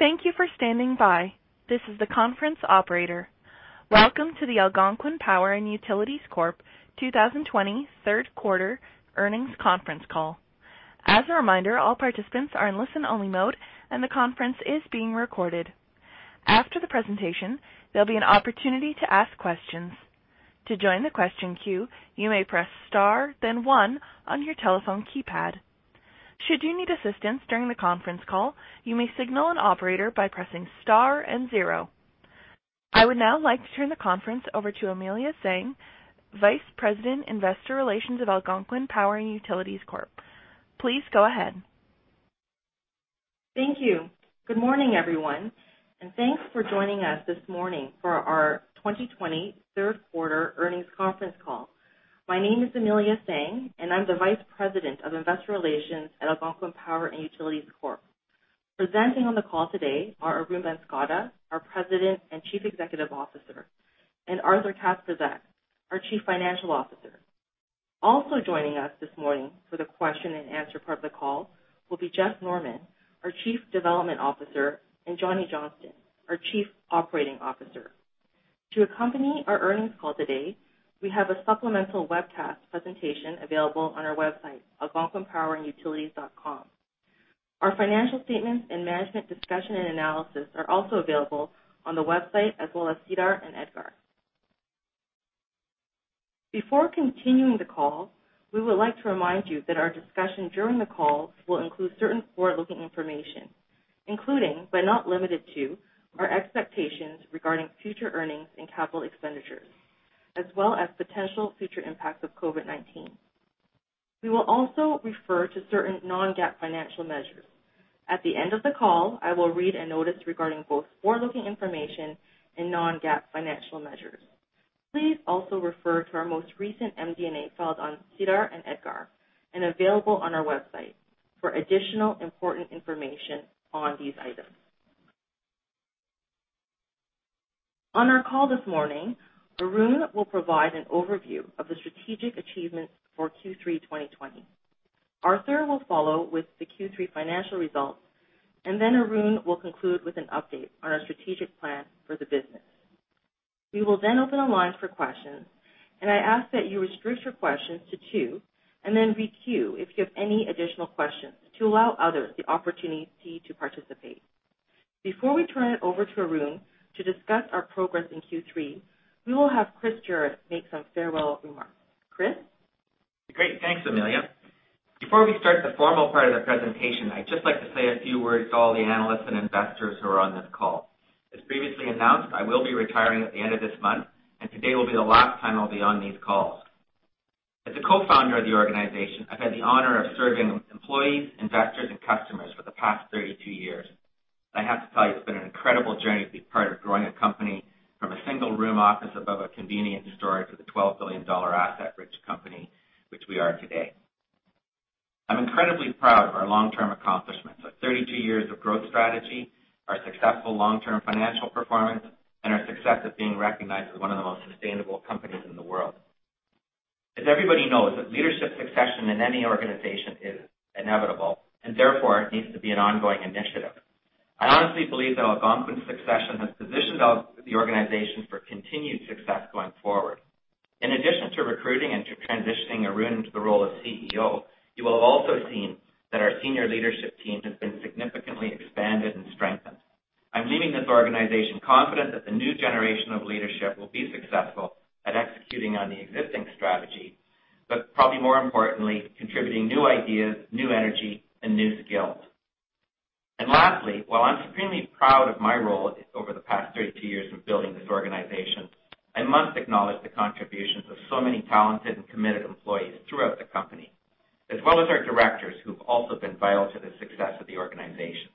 Thank you for standing by. This is the conference operator. Welcome to the Algonquin Power & Utilities Corp. 2020 third quarter earnings conference call. As a reminder, all participants are in listen-only mode, and the conference is being recorded. After the presentation, there'll be an opportunity to ask questions. To join the question queue, you may press star then one on your telephone keypad. Should you need assistance during the conference call, you may signal an operator by pressing star and zero. I would now like to turn the conference over to Amelia Tsang, Vice President, Investor Relations at Algonquin Power & Utilities Corp. Please go ahead. Thank you. Good morning, everyone, and thanks for joining us this morning for our 2020 third quarter earnings conference call. My name is Amelia Tsang, and I'm the Vice President of Investor Relations at Algonquin Power & Utilities Corp. Presenting on the call today are Arun Banskota, our President and Chief Executive Officer, and Arthur Kacprzak, our Chief Financial Officer. Also joining us this morning for the question and answer part of the call will be Jeff Norman, our Chief Development Officer, and Johnny Johnston, our Chief Operating Officer. To accompany our earnings call today, we have a supplemental webcast presentation available on our website, algonquinpowerandutilities.com. Our financial statements and management discussion and analysis are also available on the website, as well as SEDAR and EDGAR. Before continuing the call, we would like to remind you that our discussion during the call will include certain forward-looking information, including, but not limited to, our expectations regarding future earnings and capital expenditures, as well as potential future impacts of COVID-19. We will also refer to certain non-GAAP financial measures. At the end of the call, I will read a notice regarding both forward-looking information and non-GAAP financial measures. Please also refer to our most recent MD&A filed on SEDAR and EDGAR and available on our website for additional important information on these items. On our call this morning, Arun will provide an overview of the strategic achievements for Q3 2020. Arthur will follow with the Q3 financial results, and then Arun will conclude with an update on our strategic plan for the business. We will then open the lines for questions. I ask that you restrict your questions to two and then re-queue if you have any additional questions to allow others the opportunity to participate. Before we turn it over to Arun to discuss our progress in Q3, we will have Chris Jarratt make some farewell remarks. Chris? Great. Thanks, Amelia. Before we start the formal part of the presentation, I'd just like to say a few words to all the analysts and investors who are on this call. As previously announced, I will be retiring at the end of this month, and today will be the last time I'll be on these calls. As a co-founder of the organization, I've had the honor of serving employees, investors, and customers for the past 32 years. I have to tell you, it's been an incredible journey to be part of growing a company from a single-room office above a convenience store to the $12 billion asset-rich company which we are today. I'm incredibly proud of our long-term accomplishments, like 32 years of growth strategy, our successful long-term financial performance, and our success of being recognized as one of the most sustainable companies in the world. As everybody knows, leadership succession in any organization is inevitable, and therefore it needs to be an ongoing initiative. I honestly believe that Algonquin's succession has positioned the organization for continued success going forward. In addition to recruiting and to transitioning Arun into the role of CEO, you will have also seen that our senior leadership team has been significantly expanded and strengthened. I'm leaving this organization confident that the new generation of leadership will be successful at executing on the existing strategy, but probably more importantly, contributing new ideas, new energy, and new skills. Lastly, while I'm supremely proud of my role over the past 32 years in building this organization, I must acknowledge the contributions of so many talented and committed employees throughout the company, as well as our directors, who've also been vital to the success of the organization.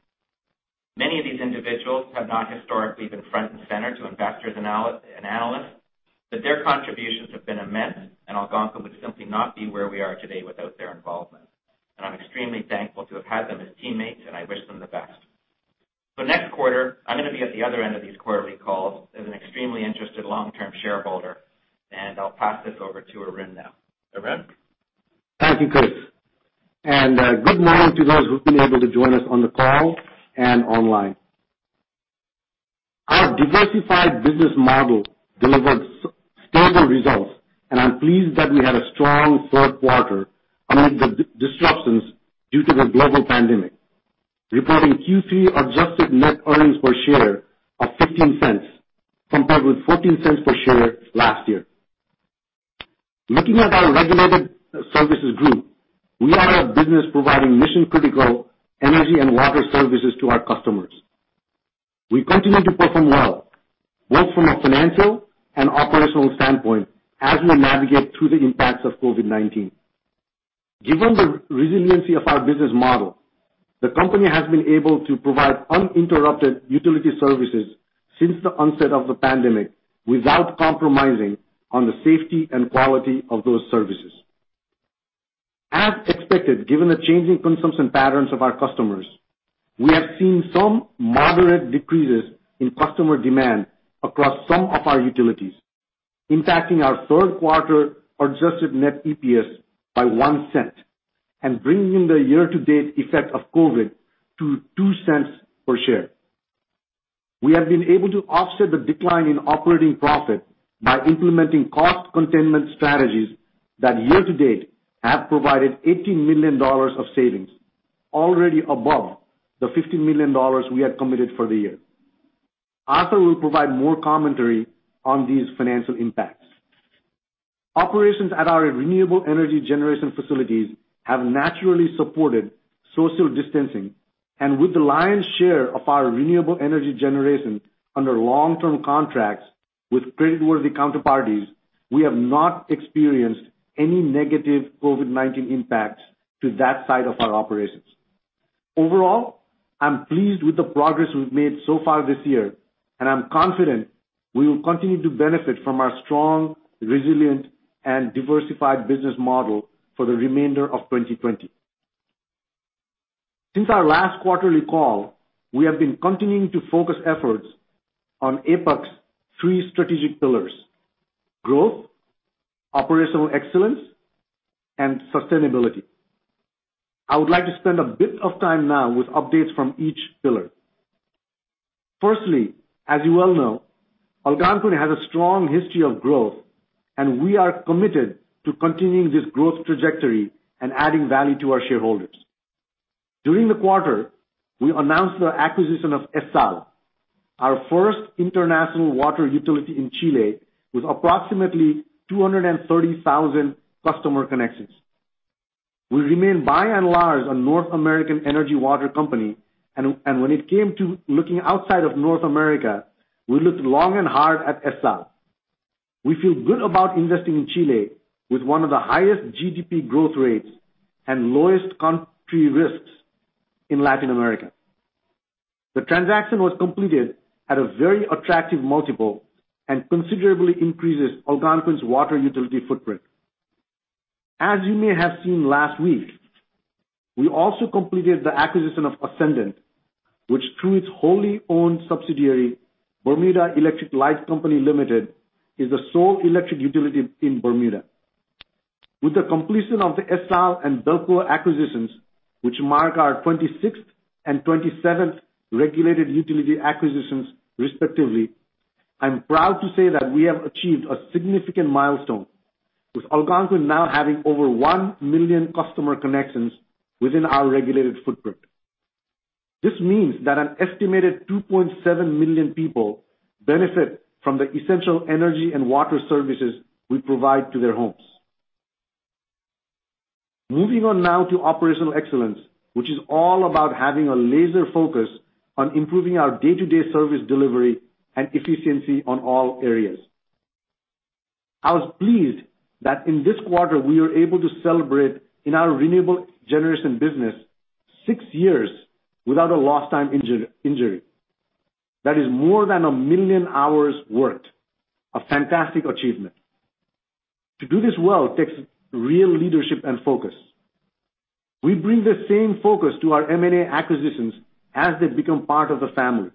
Many of these individuals have not historically been front and center to investors and analysts, but their contributions have been immense, and Algonquin would simply not be where we are today without their involvement. I'm extremely thankful to have had them as teammates, and I wish them the best. Next quarter, I'm going to be at the other end of these quarterly calls as an extremely interested long-term shareholder, and I'll pass this over to Arun now. Arun? Thank you, Chris. Good morning to those who've been able to join us on the call and online. Our diversified business model delivered stable results. I'm pleased that we had a strong third quarter amid the disruptions due to the global pandemic, reporting Q3 adjusted net earnings per share of $0.15, compared with $0.14 per share last year. Looking at our Regulated Services Group, we are a business providing mission-critical energy and water services to our customers. We continue to perform well, both from a financial and operational standpoint as we navigate through the impacts of COVID-19. Given the resiliency of our business model, the company has been able to provide uninterrupted utility services since the onset of the pandemic without compromising on the safety and quality of those services. As expected, given the changing consumption patterns of our customers, we have seen some moderate decreases in customer demand across some of our utilities, impacting our third quarter adjusted net EPS by $0.01 and bringing the year-to-date effect of COVID to $0.02 per share. We have been able to offset the decline in operating profit by implementing cost containment strategies that year-to-date have provided $18 million of savings, already above the $15 million we had committed for the year. Arthur will provide more commentary on these financial impacts. Operations at our renewable energy generation facilities have naturally supported social distancing, and with the lion's share of our renewable energy generation under long-term contracts with creditworthy counterparties, we have not experienced any negative COVID-19 impacts to that side of our operations. Overall, I'm pleased with the progress we've made so far this year, and I'm confident we will continue to benefit from our strong, resilient, and diversified business model for the remainder of 2020. Since our last quarterly call, we have been continuing to focus efforts on APUC's three strategic pillars, growth, operational excellence, and sustainability. I would like to spend a bit of time now with updates from each pillar. Firstly, as you well know, Algonquin has a strong history of growth, and we are committed to continuing this growth trajectory and adding value to our shareholders. During the quarter, we announced the acquisition of ESSAL, our first international water utility in Chile, with approximately 230,000 customer connections. We remain by and large a North American energy water company, and when it came to looking outside of North America, we looked long and hard at ESSAL. We feel good about investing in Chile with one of the highest GDP growth rates and lowest country risks in Latin America. The transaction was completed at a very attractive multiple and considerably increases Algonquin's water utility footprint. As you may have seen last week, we also completed the acquisition of Ascendant, which through its wholly-owned subsidiary, Bermuda Electric Light Company Limited, is the sole electric utility in Bermuda. With the completion of the ESSAL and BELCO acquisitions, which mark our 26th and 27th regulated utility acquisitions respectively, I'm proud to say that we have achieved a significant milestone with Algonquin now having over 1 million customer connections within our regulated footprint. This means that an estimated 2.7 million people benefit from the essential energy and water services we provide to their homes. Moving on now to operational excellence, which is all about having a laser focus on improving our day-to-day service delivery and efficiency on all areas. I was pleased that in this quarter we were able to celebrate in our renewable generation business, six years without a lost-time injury. That is more than a million hours worked, a fantastic achievement. To do this well takes real leadership and focus. We bring the same focus to our M&A acquisitions as they become part of the family,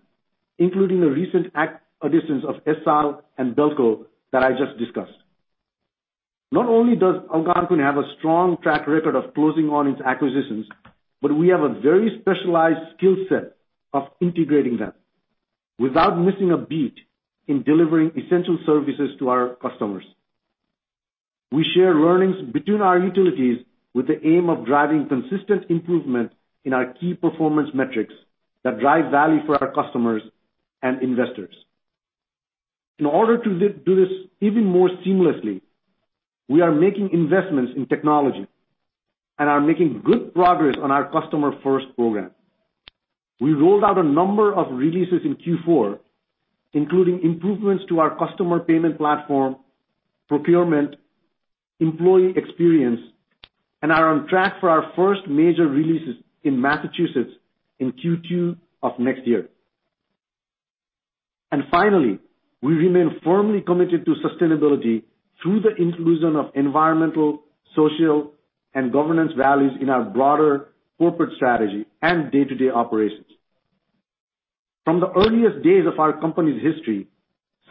including the recent acquisitions of ESSAL and BELCO that I just discussed. Not only does Algonquin have a strong track record of closing on its acquisitions, but we have a very specialized skill set of integrating them without missing a beat in delivering essential services to our customers. We share learnings between our utilities with the aim of driving consistent improvement in our key performance metrics that drive value for our customers and investors. In order to do this even more seamlessly, we are making investments in technology and are making good progress on our Customer First program. We rolled out a number of releases in Q4, including improvements to our customer payment platform, procurement, employee experience, and are on track for our first major releases in Massachusetts in Q2 of next year. Finally, we remain firmly committed to sustainability through the inclusion of environmental, social, and governance values in our broader corporate strategy and day-to-day operations. From the earliest days of our company's history,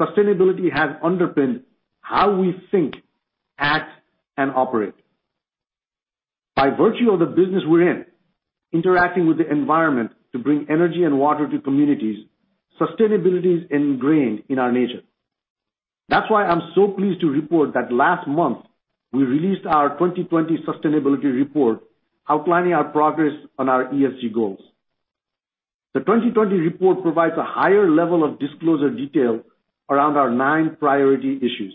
sustainability has underpinned how we think, act, and operate. By virtue of the business we're in, interacting with the environment to bring energy and water to communities, sustainability is ingrained in our nature. That's why I'm so pleased to report that last month we released our 2020 sustainability report outlining our progress on our ESG goals. The 2020 report provides a higher level of disclosure detail around our nine priority issues.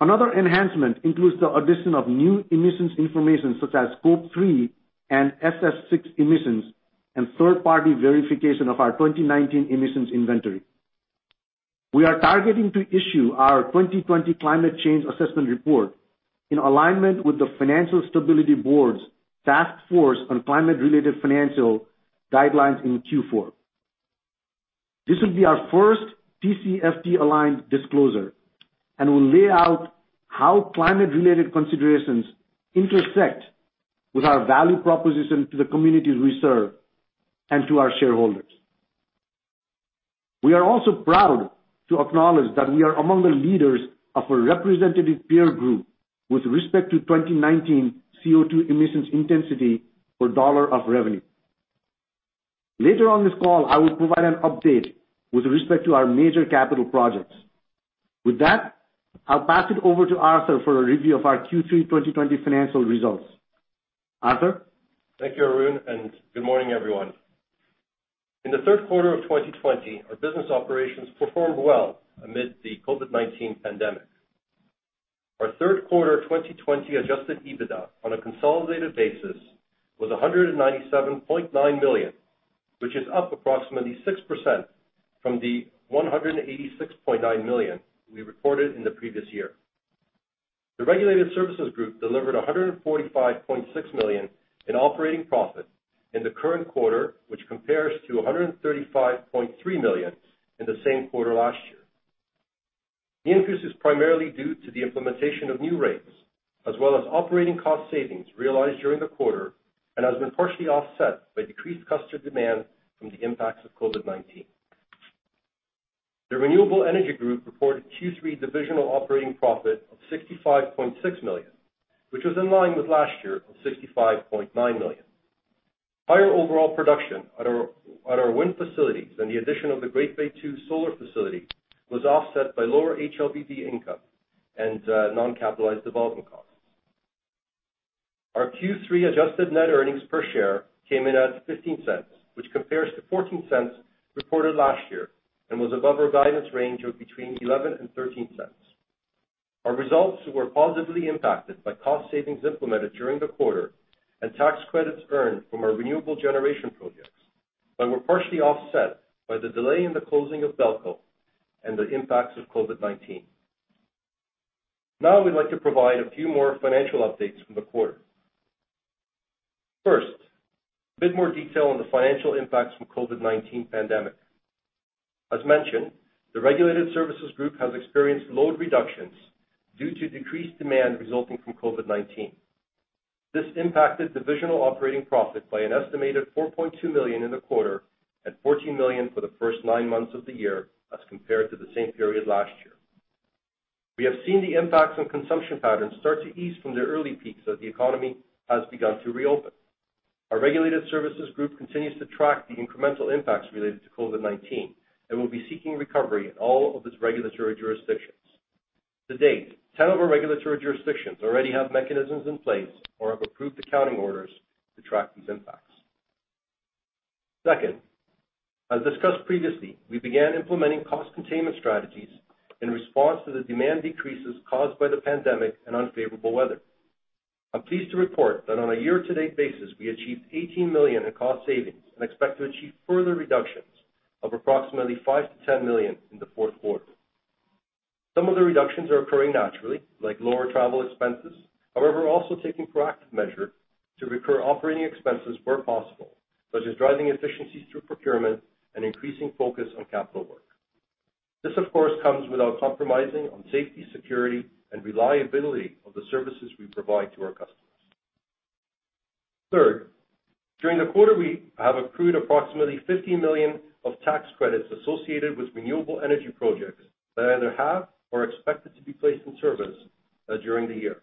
Another enhancement includes the addition of new emissions information such as Scope 3 and SF6 emissions and third-party verification of our 2019 emissions inventory. We are targeting to issue our 2020 climate change assessment report in alignment with the Financial Stability Board's Task Force on Climate-Related Financial Disclosures in Q4. This will be our first TCFD-aligned disclosure and will lay out how climate-related considerations intersect with our value proposition to the communities we serve and to our shareholders. We are also proud to acknowledge that we are among the leaders of a representative peer group with respect to 2019 CO2 emissions intensity per dollar of revenue. Later on this call, I will provide an update with respect to our major capital projects. With that, I'll pass it over to Arthur for a review of our Q3 2020 financial results. Arthur? Thank you, Arun, and good morning, everyone. In the third quarter of 2020, our business operations performed well amid the COVID-19 pandemic. Our third quarter 2020 adjusted EBITDA on a consolidated basis was $197.9 million, which is up approximately 6% from the $186.9 million we reported in the previous year. The Regulated Services Group delivered $145.6 million in operating profit in the current quarter, which compares to $135.3 million in the same quarter last year. The increase is primarily due to the implementation of new rates, as well as operating cost savings realized during the quarter and has been partially offset by decreased customer demand from the impacts of COVID-19. The Renewable Energy Group reported Q3 divisional operating profit of $65.6 million, which was in line with last year of $65.9 million. Higher overall production at our wind facilities and the addition of the Great Bay 2 solar facility was offset by lower HLBV income and non-capitalized development costs. Our Q3 adjusted net earnings per share came in at $0.15, which compares to $0.14 reported last year and was above our guidance range of between $0.11 and $0.13. Our results were positively impacted by cost savings implemented during the quarter and tax credits earned from our renewable generation projects, but were partially offset by the delay in the closing of BELCO and the impacts of COVID-19. Now we'd like to provide a few more financial updates from the quarter. First, a bit more detail on the financial impacts from COVID-19 pandemic. As mentioned, the Regulated Services Group has experienced load reductions due to decreased demand resulting from COVID-19. This impacted divisional operating profit by an estimated $4.2 million in the quarter and $14 million for the first nine months of the year as compared to the same period last year. We have seen the impacts on consumption patterns start to ease from their early peaks as the economy has begun to reopen. Our Regulated Services Group continues to track the incremental impacts related to COVID-19 and will be seeking recovery in all of its regulatory jurisdictions. To date, 10 of our regulatory jurisdictions already have mechanisms in place or have approved accounting orders to track these impacts. Second, as discussed previously, we began implementing cost containment strategies in response to the demand decreases caused by the pandemic and unfavorable weather. I'm pleased to report that on a year-to-date basis, we achieved $18 million in cost savings and expect to achieve further reductions of approximately $5 million-$10 million in the fourth quarter. Some of the reductions are occurring naturally, like lower travel expenses. We're also taking proactive measures to reduce operating expenses where possible, such as driving efficiencies through procurement and increasing focus on capital work. This, of course, comes without compromising on safety, security, and reliability of the services we provide to our customers. Third, during the quarter, we have accrued approximately $50 million of tax credits associated with renewable energy projects that either have or are expected to be placed in service, during the year.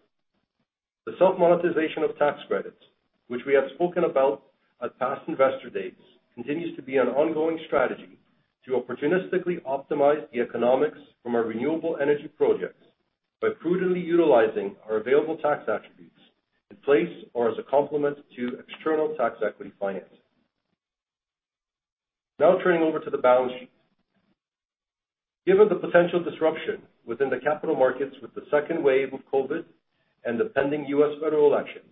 The self-monetization of tax credits, which we have spoken about at past investor dates, continues to be an ongoing strategy to opportunistically optimize the economics from our renewable energy projects by prudently utilizing our available tax attributes in place or as a complement to external tax equity financing. Now turning over to the balance sheet. Given the potential disruption within the capital markets with the second wave of COVID and the pending U.S. federal elections,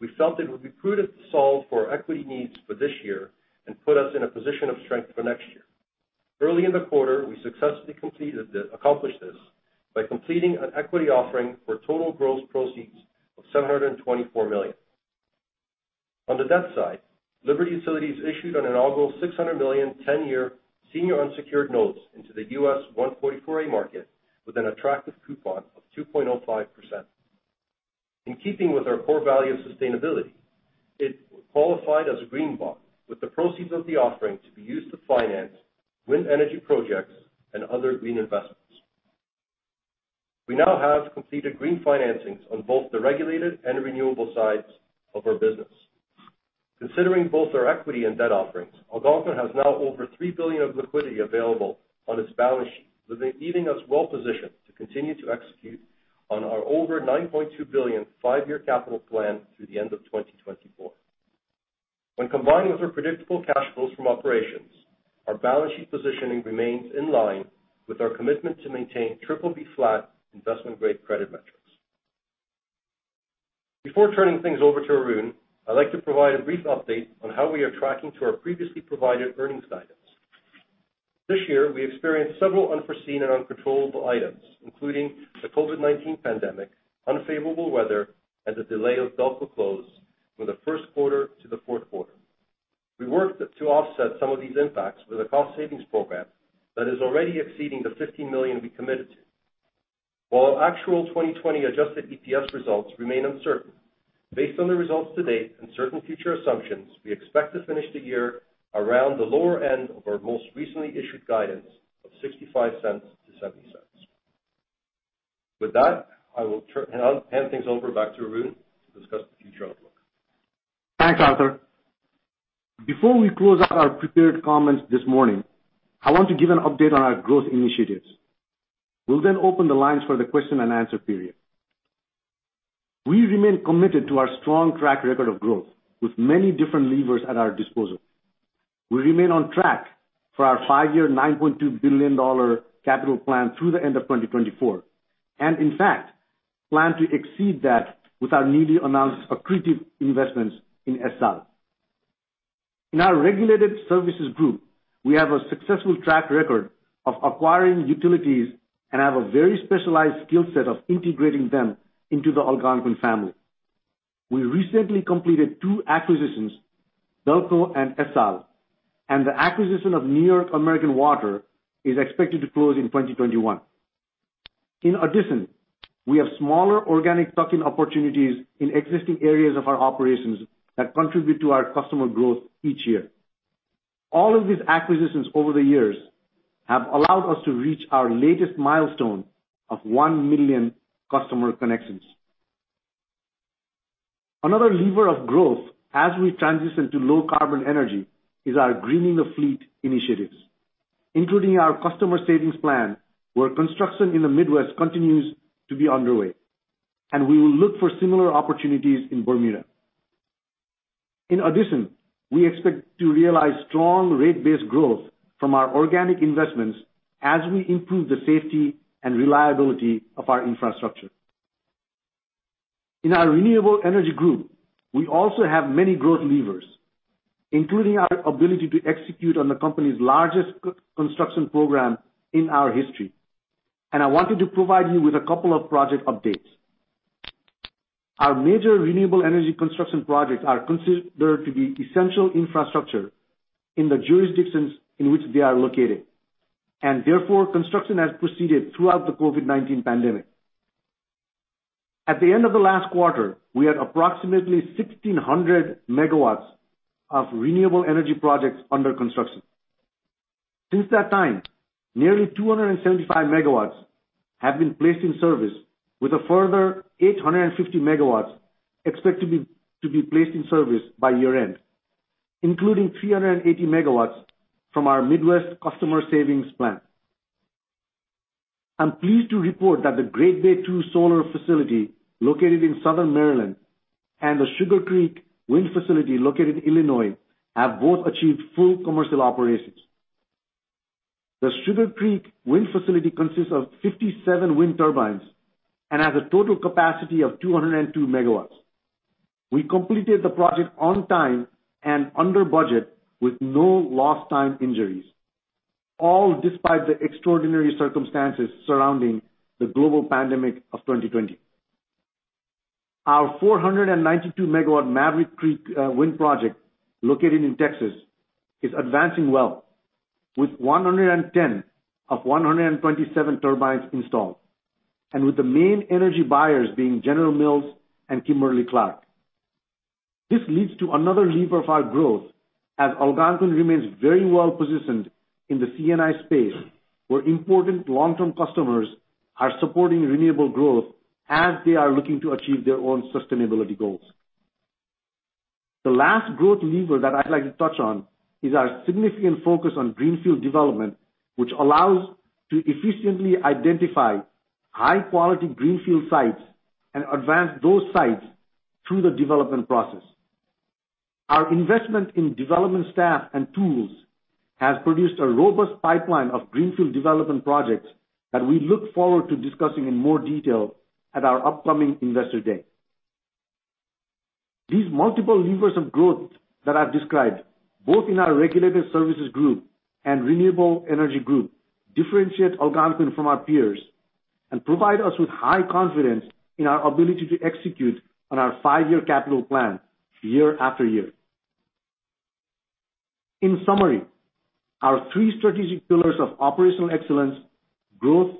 we felt it would be prudent to solve for our equity needs for this year and put us in a position of strength for next year. Early in the quarter, we successfully accomplished this by completing an equity offering for total gross proceeds of $724 million. On the debt side, Liberty Utilities issued an inaugural $600 million 10-year senior unsecured notes into the U.S. 144A market with an attractive coupon of 2.05%. In keeping with our core value of sustainability, it qualified as green bond with the proceeds of the offering to be used to finance wind energy projects and other green investments. We now have completed green financings on both the regulated and renewable sides of our business. Considering both our equity and debt offerings, Algonquin has now over $3 billion of liquidity available on its balance sheet, leaving us well-positioned to continue to execute on our over $9.2 billion five-year capital plan through the end of 2024. When combined with our predictable cash flows from operations, our balance sheet positioning remains in line with our commitment to maintain BBB flat investment-grade credit metrics. Before turning things over to Arun, I'd like to provide a brief update on how we are tracking to our previously provided earnings guidance. This year, we experienced several unforeseen and uncontrollable items, including the COVID-19 pandemic, unfavorable weather, and the delay of BELCO close from the first quarter to the fourth quarter. We worked to offset some of these impacts with a cost savings program that is already exceeding the $15 million we committed to. While actual 2020 adjusted EPS results remain uncertain, based on the results to date and certain future assumptions, we expect to finish the year around the lower end of our most recently issued guidance of $0.65-$0.70. With that, I will hand things over back to Arun to discuss the future outlook. Thanks, Arthur. Before we close out our prepared comments this morning, I want to give an update on our growth initiatives. We'll open the lines for the question and answer period. We remain committed to our strong track record of growth, with many different levers at our disposal. We remain on track for our five-year $9.2 billion capital plan through the end of 2024, in fact, plan to exceed that with our newly announced accretive investments in ESSAL. In our Regulated Services Group, we have a successful track record of acquiring utilities and have a very specialized skill set of integrating them into the Algonquin family. We recently completed two acquisitions, BELCO and ESSAL, the acquisition of New York American Water is expected to close in 2021. In addition, we have smaller organic tuck-in opportunities in existing areas of our operations that contribute to our customer growth each year. All of these acquisitions over the years have allowed us to reach our latest milestone of 1 million customer connections. Another lever of growth as we transition to low carbon energy is our greening the fleet initiatives, including our Customer Savings Plan, where construction in the Midwest continues to be underway. We will look for similar opportunities in Bermuda. In addition, we expect to realize strong rate-based growth from our organic investments as we improve the safety and reliability of our infrastructure. In our Renewable Energy Group, we also have many growth levers, including our ability to execute on the company's largest construction program in our history. I wanted to provide you with a couple of project updates. Our major renewable energy construction projects are considered to be essential infrastructure in the jurisdictions in which they are located, and therefore, construction has proceeded throughout the COVID-19 pandemic. At the end of the last quarter, we had approximately 1,600 MW of renewable energy projects under construction. Since that time, nearly 275 MW have been placed in service with a further 850 MW expected to be placed in service by year-end, including 380 MW from our Midwest Customer Savings Plan. I'm pleased to report that the Great Bay 2 solar facility located in Southern Maryland and the Sugar Creek wind facility located in Illinois have both achieved full commercial operations. The Sugar Creek wind facility consists of 57 wind turbines and has a total capacity of 202 MW. We completed the project on time and under budget with no lost time injuries, all despite the extraordinary circumstances surrounding the global pandemic of 2020. Our 492 MW Maverick Creek wind project located in Texas is advancing well with 110 of 127 turbines installed and with the main energy buyers being General Mills and Kimberly-Clark. This leads to another lever of our growth as Algonquin remains very well-positioned in the C&I space, where important long-term customers are supporting renewable growth as they are looking to achieve their own sustainability goals. The last growth lever that I'd like to touch on is our significant focus on greenfield development, which allows to efficiently identify high-quality greenfield sites and advance those sites through the development process. Our investment in development staff and tools has produced a robust pipeline of greenfield development projects that we look forward to discussing in more detail at our upcoming Investor Day. These multiple levers of growth that I've described, both in our Regulated Services Group and Renewable Energy Group, differentiate Algonquin from our peers and provide us with high confidence in our ability to execute on our five-year capital plan year after year. In summary, our three strategic pillars of operational excellence, growth,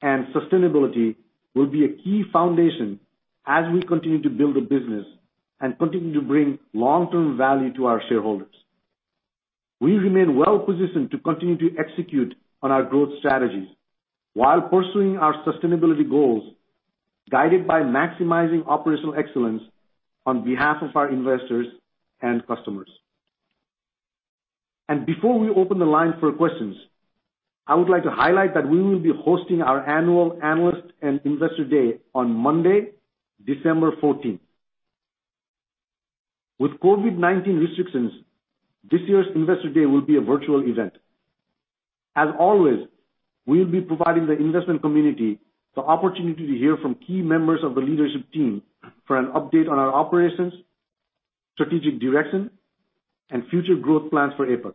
and sustainability will be a key foundation as we continue to build the business and continue to bring long-term value to our shareholders. We remain well-positioned to continue to execute on our growth strategies while pursuing our sustainability goals, guided by maximizing operational excellence on behalf of our investors and customers. Before we open the line for questions, I would like to highlight that we will be hosting our annual Analyst and Investor Day on Monday, December 14th. With COVID-19 restrictions, this year's Investor Day will be a virtual event. As always, we'll be providing the investment community the opportunity to hear from key members of the leadership team for an update on our operations, strategic direction, and future growth plans for APUC.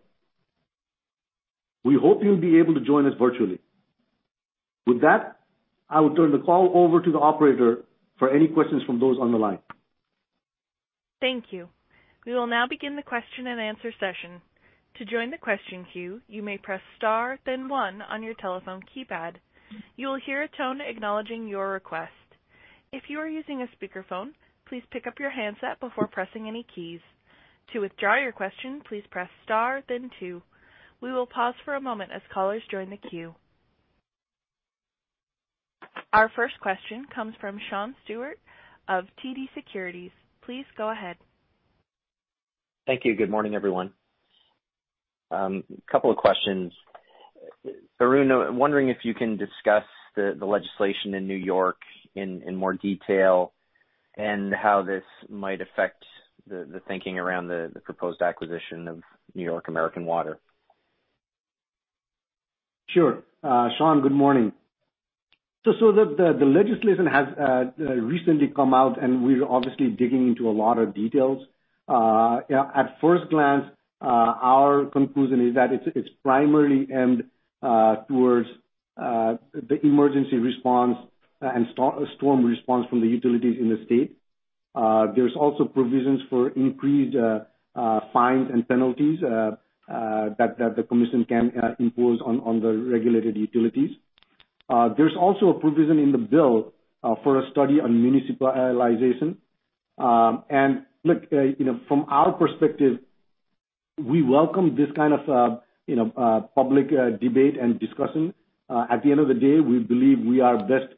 We hope you'll be able to join us virtually. With that, I will turn the call over to the operator for any questions from those on the line. Thank you. We will now begin the question and answer session. To join the question queue you may press star then one on your telephone keypad. You'll hear a tone acknowledging your request. If you are using speaker phone, please pick up your handset before pressing any keys. To withdraw your question, please press star then two. We will pause for a moment as callers join the queue. Our first question comes from Sean Steuart of TD Securities. Please go ahead. Thank you. Good morning, everyone. Couple of questions. Arun, wondering if you can discuss the legislation in New York in more detail and how this might affect the thinking around the proposed acquisition of New York American Water. Sure. Sean, good morning. The legislation has recently come out and we're obviously digging into a lot of details. At first glance, our conclusion is that it's primarily aimed towards the emergency response and storm response from the utilities in the state. There's also provisions for increased fines and penalties that the commission can impose on the regulated utilities. There's also a provision in the bill for a study on municipalization. Look, from our perspective, we welcome this kind of public debate and discussion. At the end of the day, we believe we are best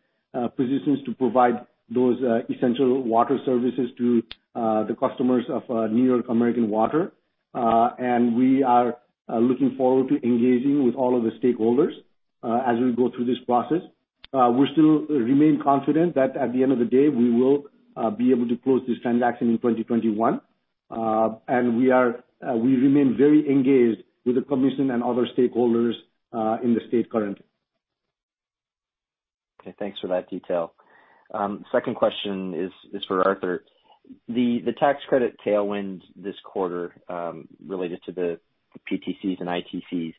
positioned to provide those essential water services to the customers of New York American Water. We are looking forward to engaging with all of the stakeholders as we go through this process. We still remain confident that at the end of the day, we will be able to close this transaction in 2021. We remain very engaged with the commission and other stakeholders in the state currently. Okay, thanks for that detail. Second question is for Arthur. The tax credit tailwind this quarter related to the PTCs and ITCs.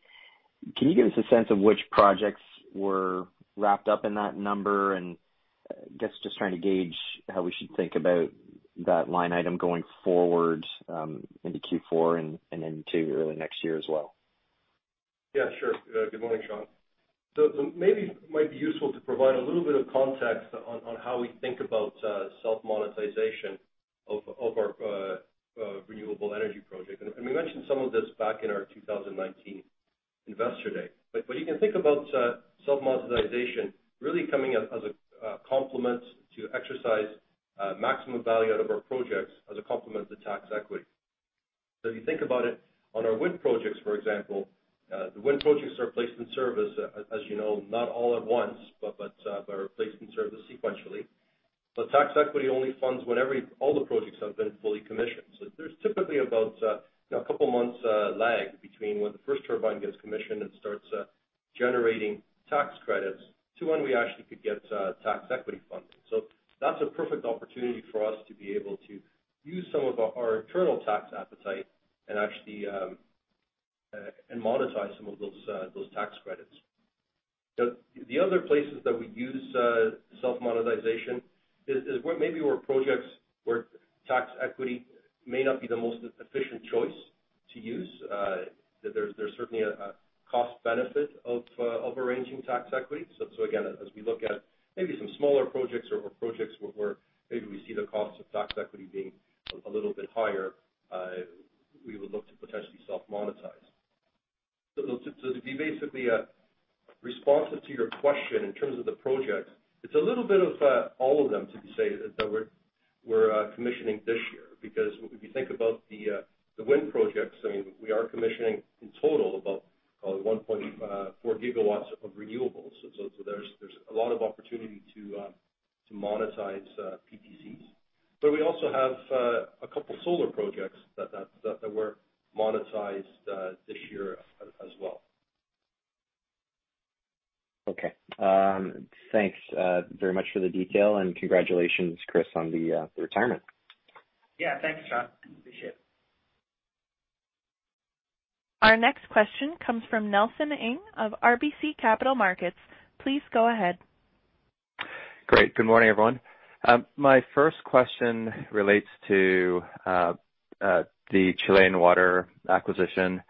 Can you give us a sense of which projects were wrapped up in that number? I guess just trying to gauge how we should think about that line item going forward into Q4 and into early next year as well. Yeah, sure. Good morning, Sean. Maybe it might be useful to provide a little bit of context on how we think about self-monetization of our renewable energy project. We mentioned some of this back in our 2019 Investor Day. You can think about self-monetization really coming as a complement to exercise maximum value out of our projects as a complement to tax equity. If you think about it on our wind projects, for example, the wind projects are placed in service, as you know, not all at once, but are placed in service sequentially. Tax equity only funds when all the projects have been fully commissioned. There's typically about a couple of months lag between when the first turbine gets commissioned and starts generating tax credits to when we actually could get tax equity funding. That's a perfect opportunity for us to be able to use some of our internal tax appetite and monetize some of those tax credits. The other places that we use self-monetization is maybe where projects where tax equity may not be the most efficient choice to use. There's certainly a cost benefit of arranging tax equity. Again, as we look at maybe some smaller projects or projects where maybe we see the cost of tax equity being a little bit higher, we would look to potentially self-monetize. To be basically responsive to your question in terms of the projects, it's a little bit of all of them, to say that we're commissioning this year, because if you think about the wind projects, I mean, we are commissioning in total about 1.4 GW of renewables. There's a lot of opportunity to monetize PTCs. We also have a couple solar projects that were monetized this year as well. Okay. Thanks very much for the detail and congratulations, Chris, on the retirement. Yeah. Thanks, Sean. Appreciate it. Our next question comes from Nelson Ng of RBC Capital Markets. Please go ahead. Great. Good morning, everyone. My first question relates to the Chile water acquisition.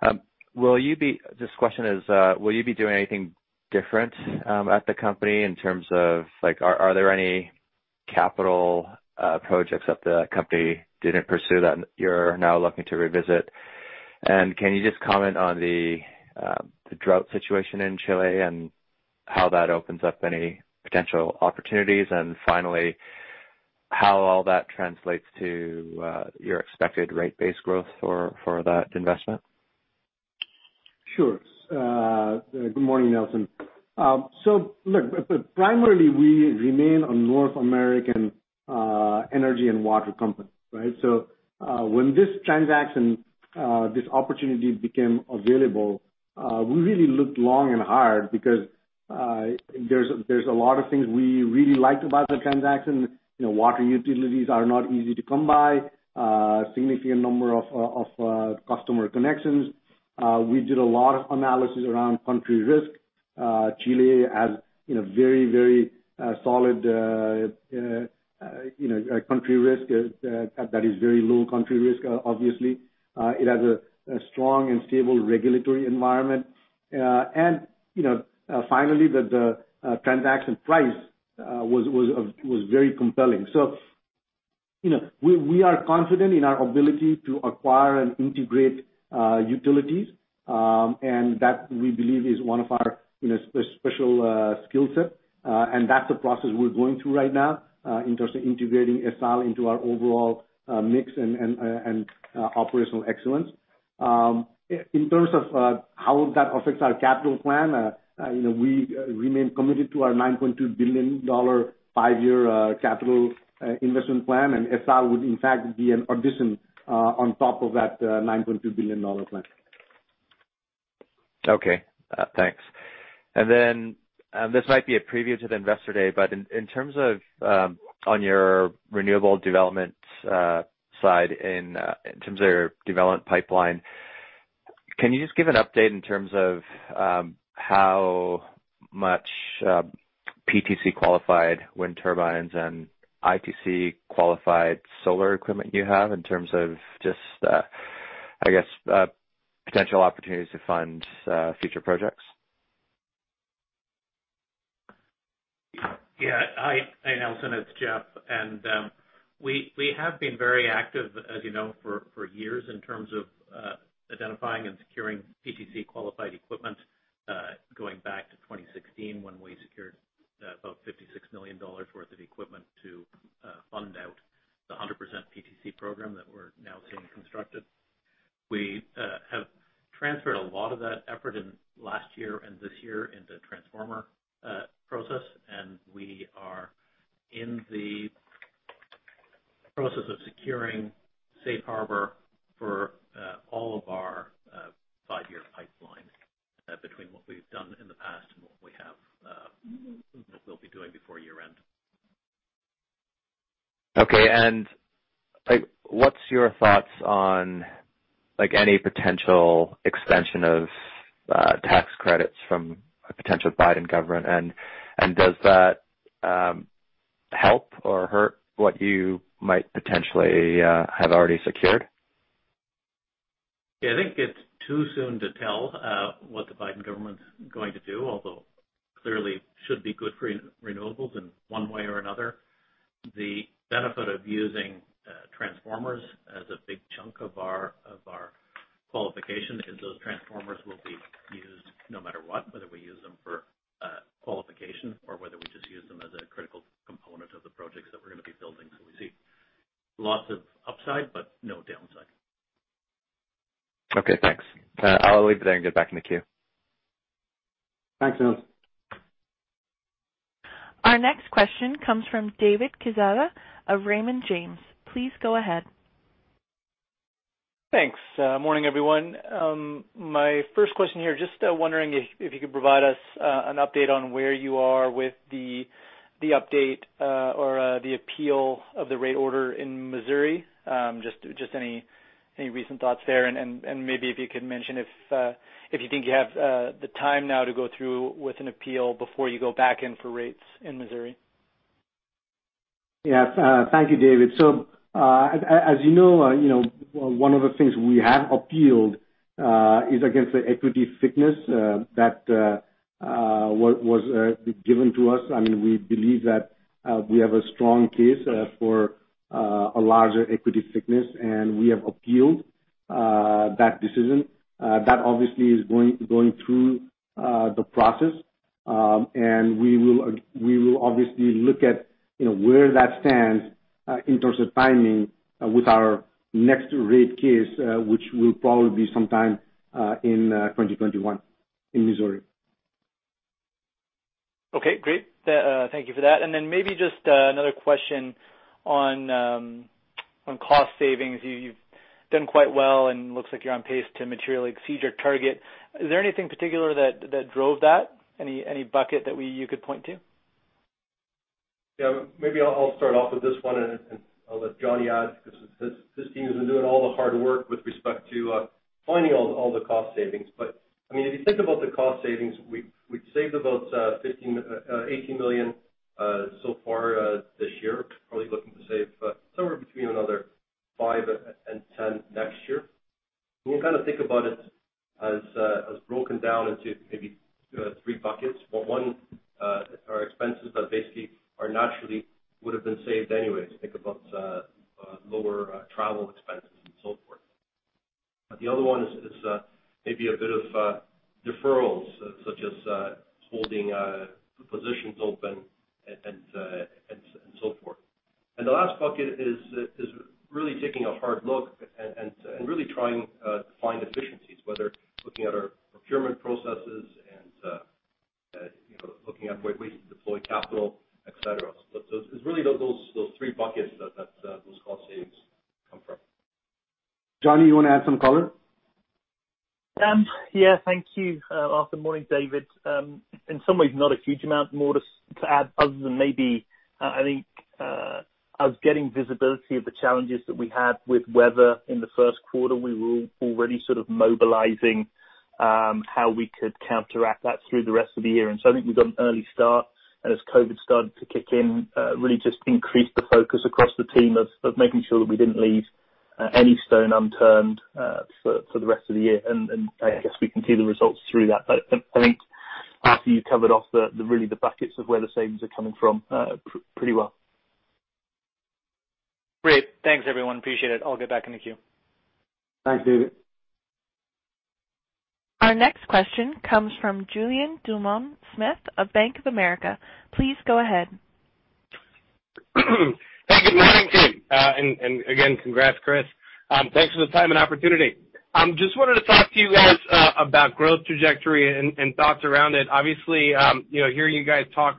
This question is, will you be doing anything different at the company in terms of, are there any capital projects that the company didn't pursue that you're now looking to revisit? Can you just comment on the drought situation in Chile and how that opens up any potential opportunities? Finally, how all that translates to your expected rate base growth for that investment? Sure. Good morning, Nelson. Look, primarily, we remain a North American energy and water company, right? When this transaction, this opportunity became available, we really looked long and hard because there's a lot of things we really liked about the transaction. Water utilities are not easy to come by. A significant number of customer connections. We did a lot of analysis around country risk. Chile has a very solid country risk. That is very low country risk, obviously. It has a strong and stable regulatory environment. Finally, the transaction price was very compelling. We are confident in our ability to acquire and integrate utilities. That, we believe, is one of our special skill set. That's a process we're going through right now in terms of integrating ESSAL into our overall mix and operational excellence. In terms of how that affects our capital plan, we remain committed to our $9.2 billion five-year capital investment plan. ESSAL would in fact be an addition on top of that $9.2 billion plan. Okay, thanks. This might be a preview to the Investor Day, but in terms of on your renewable development side, in terms of your development pipeline, can you just give an update in terms of how much PTC-qualified wind turbines and ITC-qualified solar equipment you have in terms of just, I guess, potential opportunities to fund future projects? Yeah. Hi, Nelson, it's Jeff. We have been very active, as you know, for years in terms of identifying and securing PTC-qualified equipment, going back to 2016 when we secured about $56 million worth of equipment to fund out the 100% PTC program that we're now seeing constructed. We have transferred a lot of that effort in last year and this year into transformer process, and we are in the process of securing safe harbor for all of our five-year pipeline between what we've done in the past and what we'll be doing before year-end. Okay. What's your thoughts on any potential extension of tax credits from a potential Biden government? Does that help or hurt what you might potentially have already secured? Yeah, I think it's too soon to tell what the Biden government's going to do, although clearly should be good for renewables in one way or another. The benefit of using transformers as a big chunk of our qualification is those transformers will be used no matter what, whether we use them for qualification or whether we just use them as a critical component of the projects that we're going to be building. We see lots of upside, but no downside. Okay, thanks. I'll leave it there and get back in the queue. Thanks, Nelson. Our next question comes from David Quezada of Raymond James. Please go ahead. Thanks. Morning, everyone. My first question here, just wondering if you could provide us an update on where you are with the update or the appeal of the rate order in Missouri. Just any recent thoughts there, and maybe if you could mention if you think you have the time now to go through with an appeal before you go back in for rates in Missouri. Yeah. Thank you, David. As you know, one of the things we have appealed is against the equity thickness that was given to us. We believe that we have a strong case for a larger equity thickness, and we have appealed that decision. That obviously is going through the process. We will obviously look at where that stands in terms of timing with our next rate case, which will probably be sometime in 2021 in Missouri. Okay, great. Thank you for that. Maybe just another question on cost savings. You’ve done quite well and looks like you’re on pace to materially exceed your target. Is there anything particular that drove that? Any bucket that you could point to? Yeah, maybe I'll start off with this one, and I'll let Johnny add, because his team has been doing all the hard work with respect to finding all the cost savings. If you think about the cost savings, we've saved about $18 million so far this year. Probably looking to save somewhere between another $5 million and $10 million next year. We kind of think about it as broken down into maybe three buckets. One are expenses that basically are naturally would have been saved anyways. Think about lower travel expenses and so forth. The other one is maybe a bit of deferrals, such as holding positions open and so forth. The last bucket is really taking a hard look and really trying to find efficiencies, whether looking at our procurement processes and looking at where we deploy capital, et cetera. It's really those three buckets that those cost savings come from. Johnny, you want to add some color? Yeah, thank you. Morning, David. In some ways, not a huge amount more to add other than maybe. Getting visibility of the challenges that we had with weather in the first quarter, we were already sort of mobilizing how we could counteract that through the rest of the year. I think we got an early start, and as COVID started to kick in, really just increased the focus across the team of making sure that we didn't leave any stone unturned for the rest of the year. I guess we can see the results through that. I think, Arthur, you covered off the really the buckets of where the savings are coming from pretty well. Great. Thanks, everyone. Appreciate it. I'll get back in the queue. Thanks, David. Our next question comes from Julien Dumoulin-Smith of Bank of America. Please go ahead. Hey, good morning, team. Again, congrats, Chris. Thanks for the time and opportunity. Just wanted to talk to you guys about growth trajectory and thoughts around it. Obviously, hearing you guys talk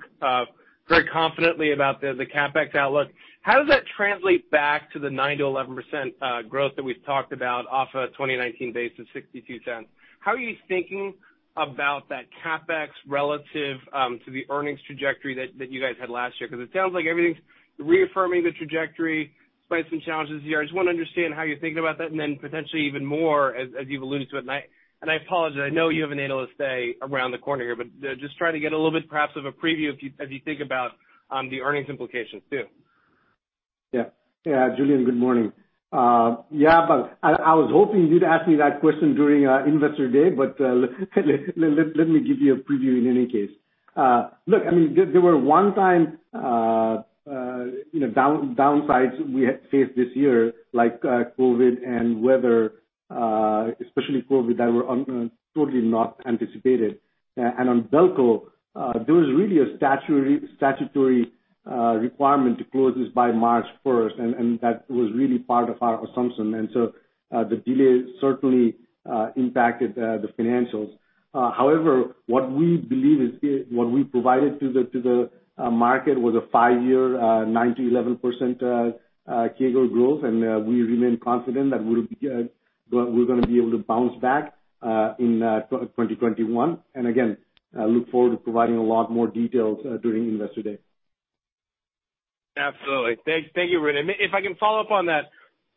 very confidently about the CapEx outlook. How does that translate back to the 9%-11% growth that we've talked about off of 2019 base of $0.62? How are you thinking about that CapEx relative to the earnings trajectory that you guys had last year? It sounds like everything's reaffirming the trajectory, despite some challenges this year. I just want to understand how you're thinking about that and then potentially even more as you've alluded to. I apologize, I know you have an Investor Day around the corner here, just trying to get a little bit perhaps of a preview as you think about the earnings implications too. Julien, good morning. I was hoping you'd ask me that question during our Investor Day. Let me give you a preview in any case. Look, I mean, there were one-time downsides we had faced this year, like COVID and weather, especially COVID, that were totally not anticipated. On BELCO, there was really a statutory requirement to close this by March 1st. That was really part of our assumption. The delay certainly impacted the financials. However, what we believe is what we provided to the market was a five-year, 9%-11% CAGR growth. We remain confident that we're going to be able to bounce back in 2021. Again, look forward to providing a lot more details during Investor Day. Absolutely. Thank you, Arun. If I can follow up on that,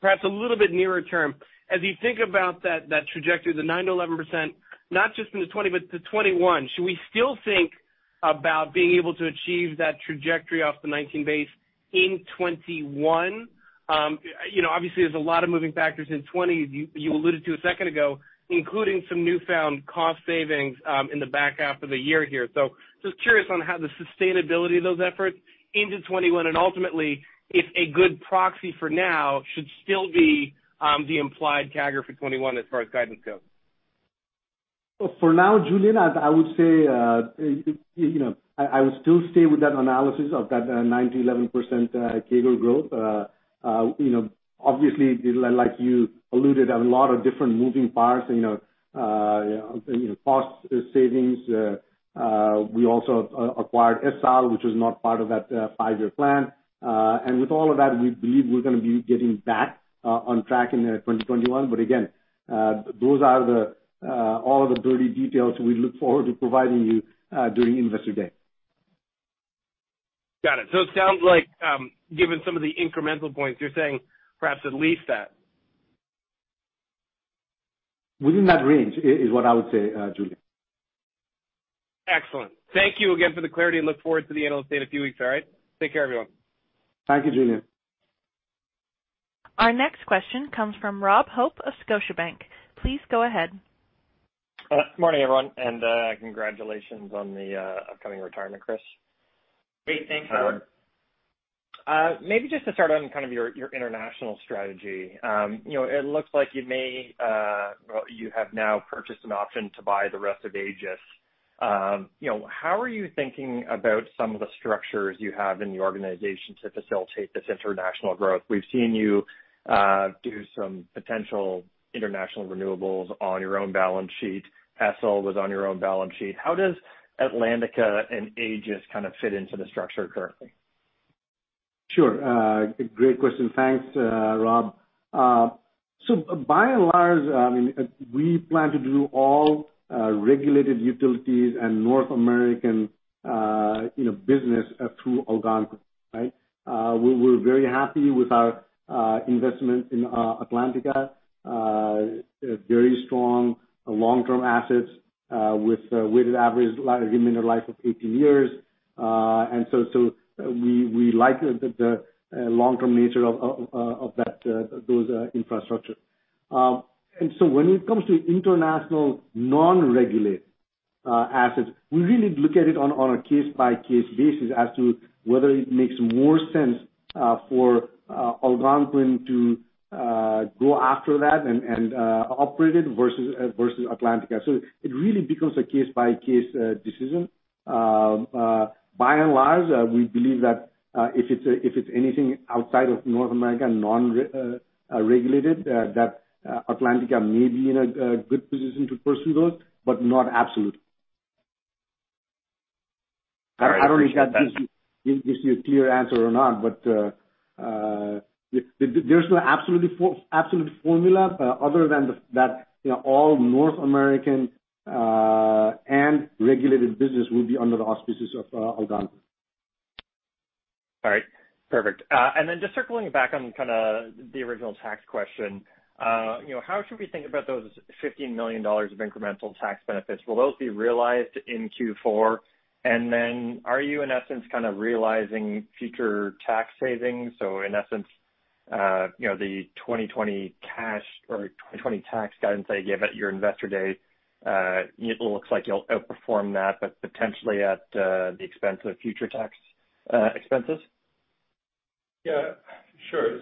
perhaps a little bit nearer term. As you think about that trajectory, the 9%-11%, not just into 2020, but to 2021, should we still think about being able to achieve that trajectory off the 2019 base in 2021? There's a lot of moving factors in 2020. You alluded to a second ago, including some newfound cost savings in the back half of the year here. Just curious on how the sustainability of those efforts into 2021, and ultimately, if a good proxy for now should still be the implied CAGR for 2021 as far as guidance goes. For now, Julien, I would still stay with that analysis of that 9%-11% CAGR growth. Like you alluded, a lot of different moving parts, cost savings. We also acquired ESSAL, which was not part of that five-year plan. With all of that, we believe we're going to be getting back on track in 2021. Again, those are all of the dirty details we look forward to providing you during Investor Day. Got it. It sounds like, given some of the incremental points, you're saying perhaps at least that. Within that range is what I would say, Julien. Excellent. Thank you again for the clarity and look forward to the Investor Day in a few weeks. All right? Take care, everyone. Thank you, Julien. Our next question comes from Rob Hope of Scotiabank. Please go ahead. Morning, everyone, congratulations on the upcoming retirement, Chris. Great. Thanks, Rob. Maybe just to start on kind of your international strategy. It looks like you have now purchased an option to buy the rest of AAGES. How are you thinking about some of the structures you have in the organization to facilitate this international growth? We've seen you do some potential international renewables on your own balance sheet. ESSAL was on your own balance sheet. How does Atlantica and AAGES kind of fit into the structure currently? Sure. Great question. Thanks, Rob. By and large, we plan to do all regulated utilities and North American business through Algonquin. We're very happy with our investment in Atlantica. Very strong long-term assets with weighted average remaining life of 18 years. We like the long-term nature of those infrastructure. When it comes to international non-regulated assets, we really look at it on a case-by-case basis as to whether it makes more sense for Algonquin to go after that and operate it versus Atlantica. It really becomes a case-by-case decision. By and large, we believe that if it's anything outside of North America, non-regulated, that Atlantica may be in a good position to pursue those, but not absolutely. All right. Appreciate that. I don't know if that gives you a clear answer or not. There's no absolute formula other than that all North American and regulated business will be under the auspices of Algonquin. All right. Perfect. Just circling back on kind of the original tax question. How should we think about those $15 million of incremental tax benefits? Will those be realized in Q4? Are you, in essence, kind of realizing future tax savings? In essence, the 2020 tax guidance that you gave at your Investor Day, it looks like you'll outperform that, but potentially at the expense of future tax expenses. Yeah. Sure.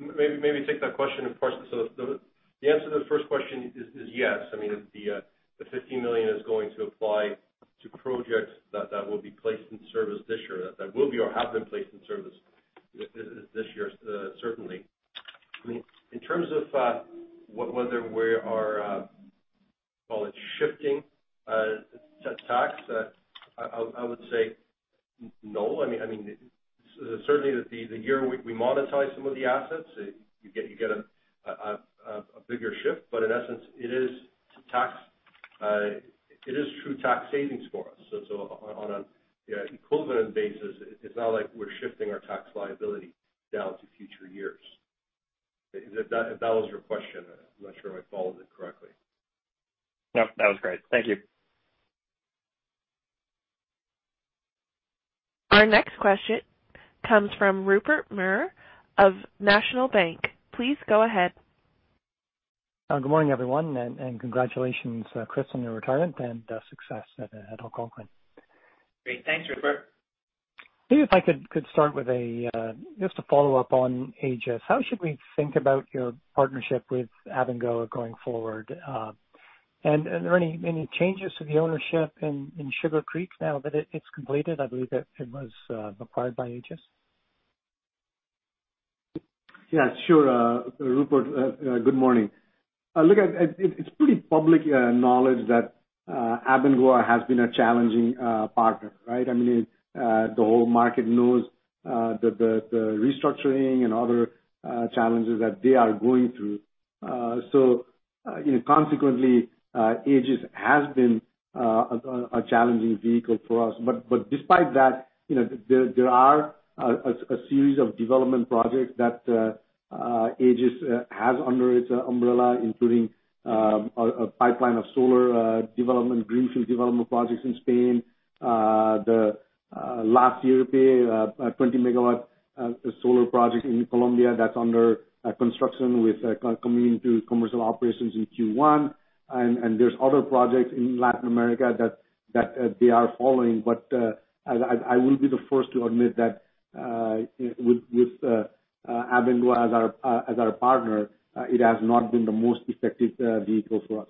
Maybe take that question in parts. The answer to the first question is yes. I mean, the $15 million is going to apply to projects that will be placed in service this year, that will be or have been placed in service this year, certainly. In terms of whether we are, call it, shifting, set tax, I would say no. Certainly the year we monetize some of the assets, you get a bigger shift. In essence, it is true tax savings for us. On an equivalent basis, it's not like we're shifting our tax liability now to future years. If that was your question. I'm not sure I followed it correctly. Nope, that was great. Thank you. Our next question comes from Rupert Merer of National Bank. Please go ahead. Good morning, everyone, and congratulations, Chris, on your retirement and success at Algonquin. Great. Thanks, Rupert. Maybe if I could start with just a follow-up on AAGES. How should we think about your partnership with Abengoa going forward? Are there any changes to the ownership in Sugar Creek now that it's completed? I believe it was acquired by AAGES. Yeah, sure. Rupert, good morning. It's pretty public knowledge that Abengoa has been a challenging partner, right? I mean, the whole market knows the restructuring and other challenges that they are going through. Consequently, AAGES has been a challenging vehicle for us. Despite that there are a series of development projects that AAGES has under its umbrella, including a pipeline of solar development, greenfield development projects in Spain. The last year PPA, a 20 MW solar project in Colombia that's under construction with coming into commercial operations in Q1. There's other projects in Latin America that they are following. I will be the first to admit that with Abengoa as our partner, it has not been the most effective vehicle for us.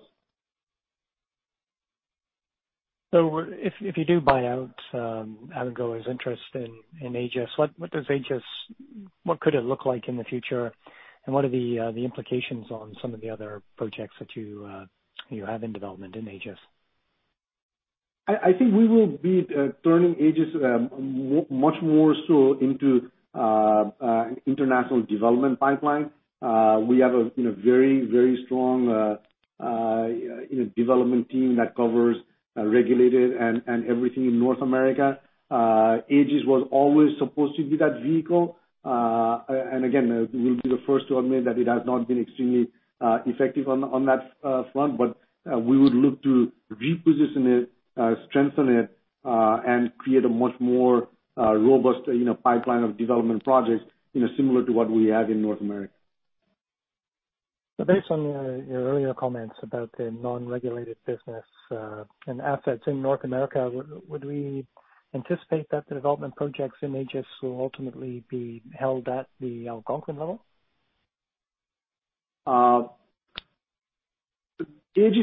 If you do buy out Abengoa's interest in AAGES, what could it look like in the future? What are the implications on some of the other projects that you have in development in AAGES? I think we will be turning AAGES much more so into international development pipeline. We have a very strong development team that covers regulated and everything in North America. AAGES was always supposed to be that vehicle. Again, we'll be the first to admit that it has not been extremely effective on that front. We would look to reposition it, strengthen it, and create a much more robust pipeline of development projects similar to what we have in North America. Based on your earlier comments about the non-regulated business and assets in North America, would we anticipate that the development projects in AAGES will ultimately be held at the Algonquin level? AAGES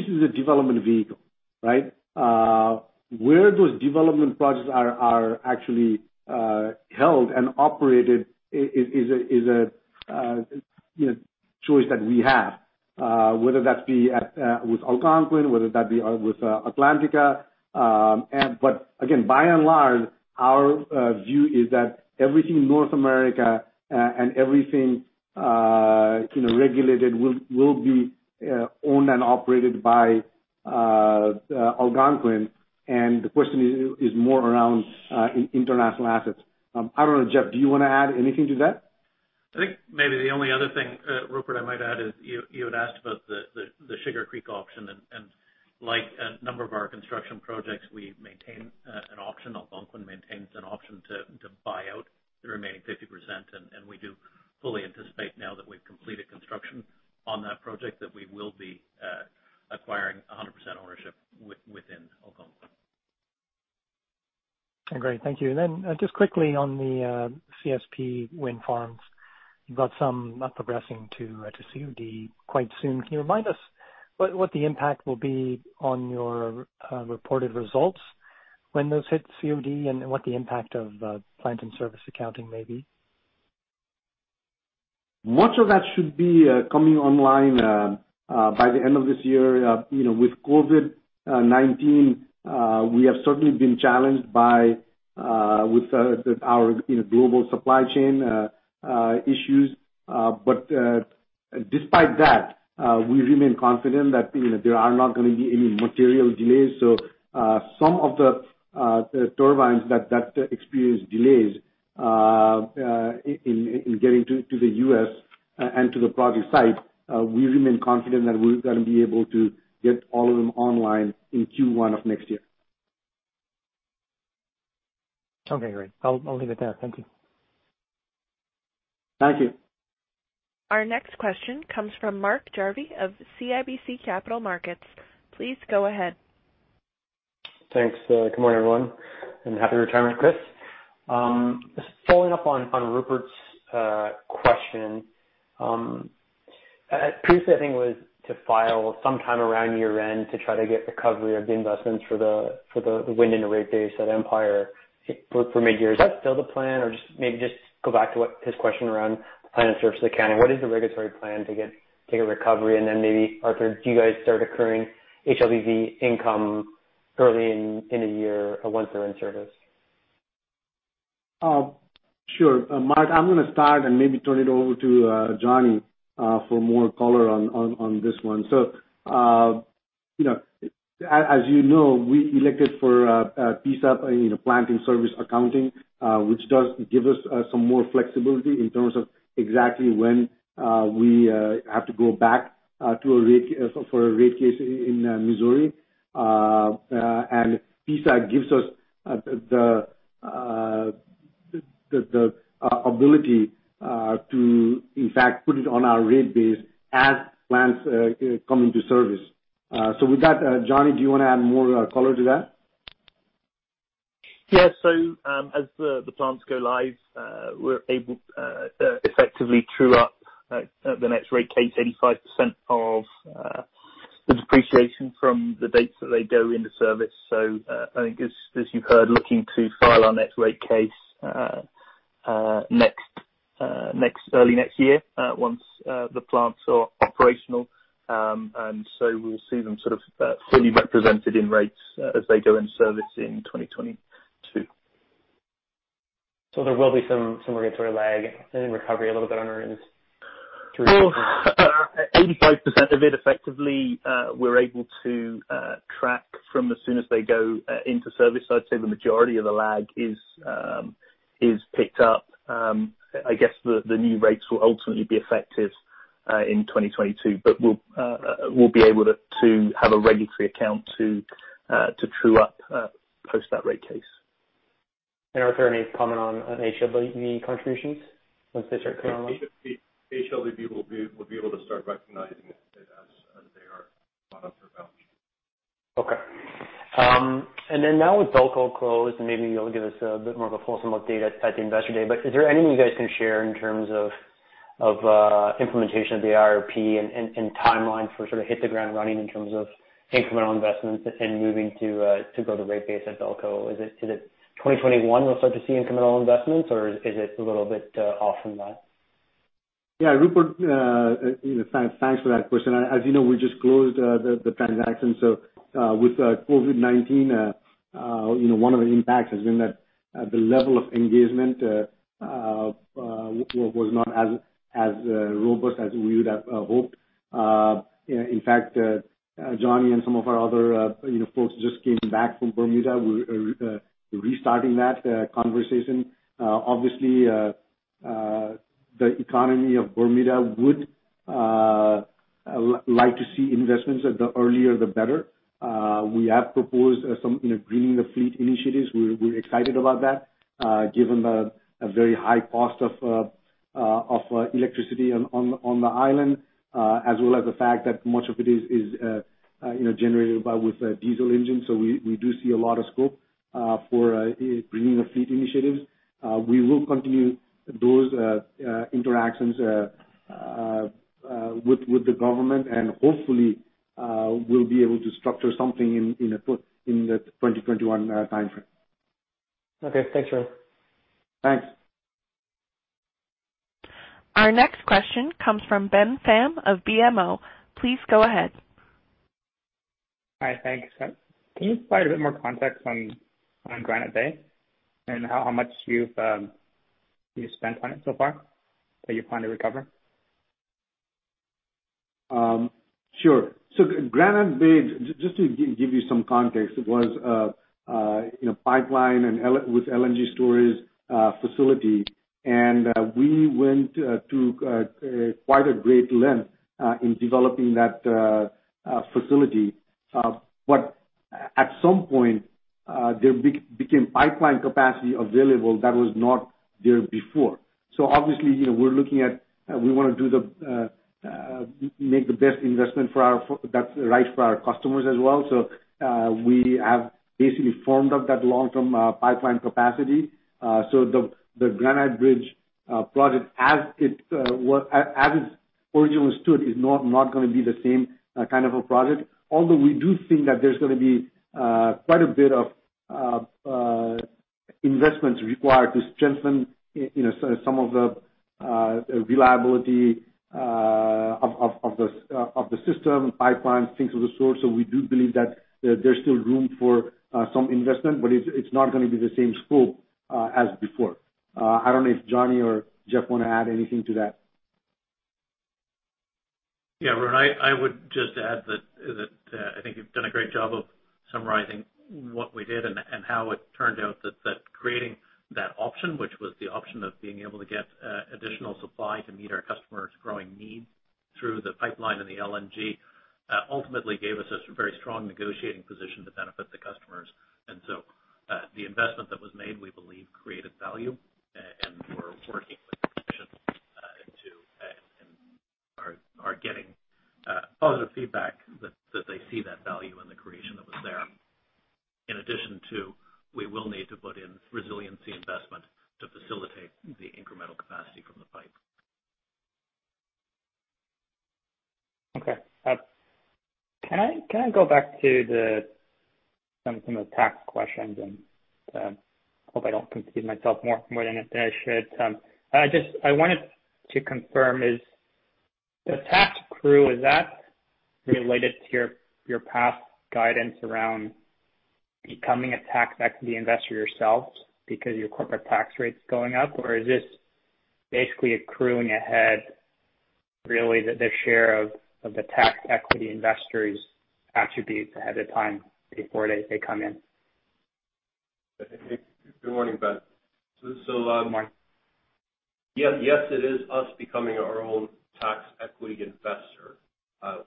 is a development vehicle, right? Where those development projects are actually held and operated is a choice that we have, whether that be with Algonquin, whether that be with Atlantica. Again, by and large, our view is that everything North America and everything regulated will be owned and operated by Algonquin. The question is more around international assets. I don't know, Jeff, do you want to add anything to that? I think maybe the only other thing, Rupert, I might add is you had asked about the Sugar Creek option. Like a number of our construction projects, we maintain an option. Algonquin maintains an option to buy out the remaining 50%. We do fully anticipate now that we've completed construction on that project, that we will be acquiring 100% ownership within Algonquin. Great. Thank you. Then just quickly on the CSP wind farms, you've got some not progressing to COD quite soon. Can you remind us what the impact will be on your reported results when those hit COD and what the impact of plant and service accounting may be? Much of that should be coming online by the end of this year. With COVID-19, we have certainly been challenged with our global supply chain issues. Despite that, we remain confident that there are not going to be any material delays. Some of the turbines that experienced delays in getting to the U.S. and to the project site, we remain confident that we're going to be able to get all of them online in Q1 of next year. Okay, great. I'll leave it there. Thank you. Thank you. Our next question comes from Mark Jarvi of CIBC Capital Markets. Please go ahead. Thanks. Good morning, everyone, and happy retirement, Chris. Just following up on Rupert's question. Previously, I think it was to file sometime around year-end to try to get recovery of the investments for the wind and the rate base at Empire for midyear. Is that still the plan? Just maybe go back to what his question around plant in service accounting. What is the regulatory plan to get recovery? Then maybe, Arthur, do you guys start accruing HLBV income early in the year or once they're in service? Sure. Mark, I'm going to start and maybe turn it over to Johnny for more color on this one. As you know, we elected for PISA, plant in service accounting, which does give us some more flexibility in terms of exactly when we have to go back for a rate case in Missouri. PISA gives us the ability to, in fact, put it on our rate base as plants come into service. With that, Johnny, do you want to add more color to that? Yeah. As the plants go live, we're able effectively true-up the next rate case 85% of the depreciation from the dates that they go into service. I think as you've heard, looking to file our next rate case early next year, once the plants are operational. We'll see them sort of fully represented in rates as they go in service in 2022. There will be some regulatory lag and recovery a little bit on earnings to reach that. 85% of it effectively, we're able to track from as soon as they go into service. I'd say the majority of the lag is picked up. I guess the new rates will ultimately be effective in 2022. We'll be able to have a regulatory account to true-up post that rate case. Arthur, any comment on HLBV contributions once they start coming on? HLBV will be able to start recognizing it as they are brought up for valuation. Okay. Now with BELCO closed, maybe you'll give us a bit more of a fulsome update at the Investor Day, but is there anything you guys can share in terms of implementation of the IRP and timeline for sort of hit the ground running in terms of incremental investments and moving to grow the rate base at BELCO? Is it 2021 we'll start to see incremental investments or is it a little bit off from that? Yeah, Rupert, thanks for that question. As you know, we just closed the transaction. With COVID-19, one of the impacts has been that the level of engagement was not as robust as we would have hoped. In fact, Johnny and some of our other folks just came back from Bermuda. We're restarting that conversation. Obviously, the economy of Bermuda would like to see investments, the earlier, the better. We have proposed some greening the fleet initiatives. We're excited about that, given the very high cost of electricity on the island, as well as the fact that much of it is generated with diesel engines. We do see a lot of scope for greening the fleet initiatives. We will continue those interactions with the government and hopefully we'll be able to structure something in the 2021 timeframe. Okay. Thanks, Arun. Thanks. Our next question comes from Ben Pham of BMO. Please go ahead. Hi. Thanks. Can you provide a bit more context on Granite Bridge and how much you've spent on it so far that you plan to recover? Sure. Granite Bridge, just to give you some context, it was a pipeline with LNG storage facility. We went to quite a great length in developing that facility. At some point, there became pipeline capacity available that was not there before. Obviously, we want to make the best investment that's right for our customers as well. We have basically formed up that long-term pipeline capacity. The Granite Bridge project as it originally stood is not going to be the same kind of a project, although we do think that there's going to be quite a bit of investments required to strengthen some of the reliability of the system, pipelines, things of the sort. We do believe that there's still room for some investment, but it's not going to be the same scope as before. I don't know if Johnny or Jeff want to add anything to that. Yeah, Arun, I would just add that I think you've done a great job of summarizing what we did and how it turned out that creating that option, which was the option of being able to get additional supply to meet our customers' growing needs through the pipeline and the LNG, ultimately gave us a very strong negotiating position to benefit the customers. The investment that was made, we believe, created value. We're working with and are getting positive feedback that they see that value in the creation that was there. In addition to, we will need to put in resiliency investment to facilitate the incremental capacity from the pipe. Okay. Can I go back to some of the tax questions? Hope I don't confuse myself more than I should. I wanted to confirm is, the tax accrual, is that related to your past guidance around becoming a tax equity investor yourselves because your corporate tax rate's going up? Or is this basically accruing ahead, really, the share of the tax equity investors' attributes ahead of time before they come in? Good morning, Ben. Good morning. Yes, it is us becoming our own tax equity investor.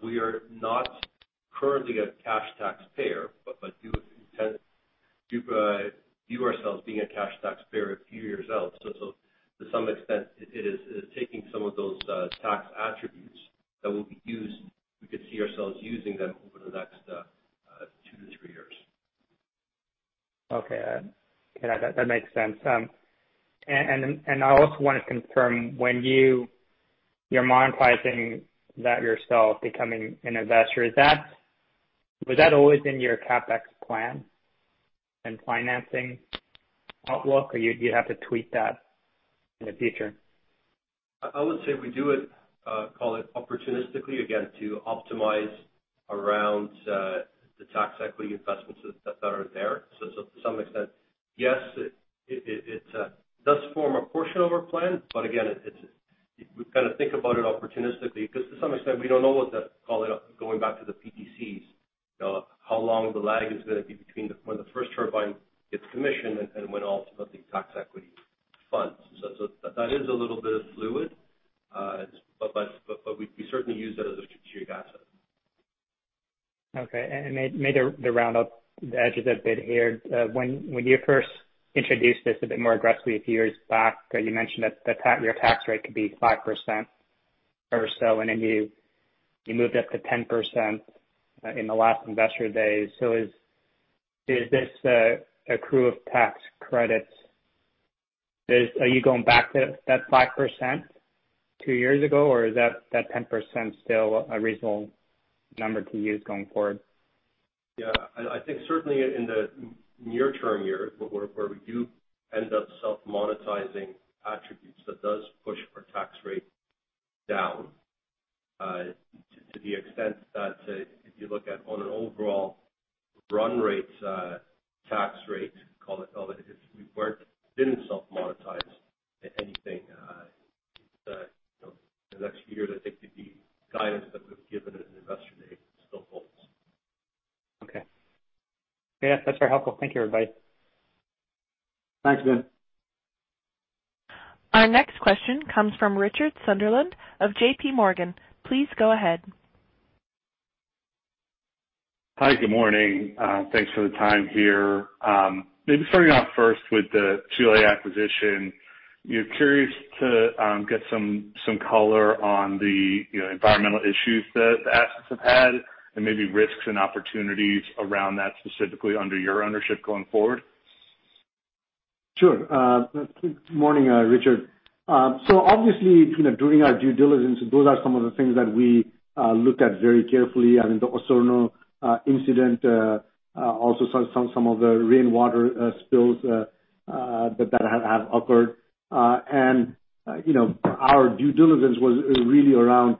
We are not currently a cash taxpayer, but do intend to view ourselves being a cash taxpayer a few years out. To some extent, it is taking some of those tax attributes that will be used. We could see ourselves using them over the next two to three years. Okay. That makes sense. I also want to confirm, when you're monetizing that yourself, becoming an investor, was that always in your CapEx plan and financing outlook, or you'd have to tweak that in the future? I would say we do it, call it opportunistically, again, to optimize around the tax equity investments that are there. To some extent, yes, it does form a portion of our plan. Again, we kind of think about it opportunistically because to some extent, we don't know what that, call it, going back to the PTCs, how long the lag is going to be between when the first turbine gets commissioned and when ultimately tax equity funds. That is a little bit fluid. We certainly use it as a strategic asset. Okay. Maybe to round up the edges a bit here. When you first introduced this a bit more aggressively a few years back, you mentioned that your tax rate could be 5% or so, then you moved up to 10% in the last Investor Day. Is this accrue of tax credits, are you going back to that 5% two years ago, or is that 10% still a reasonable number to use going forward? Yeah. I think certainly in the near term years, where we do end up self-monetizing attributes, that does push our tax rate down, to the extent that if you look at on an overall run rates, tax rate, call it, if we didn't self monetize anything, the next year, that they could be guidance that we've given at an Investor Day still holds. Okay. Yeah, that's very helpful. Thank you, everybody. Thanks, Ben. Our next question comes from Richard Sunderland of JPMorgan. Please go ahead. Hi, good morning. Thanks for the time here. Starting off first with the Chile acquisition. Curious to get some color on the environmental issues the assets have had and maybe risks and opportunities around that specifically under your ownership going forward. Sure. Morning, Richard. Obviously, during our due diligence, those are some of the things that we looked at very carefully. I mean, the Osorno incident, also some of the rainwater spills that have occurred. Our due diligence was really around,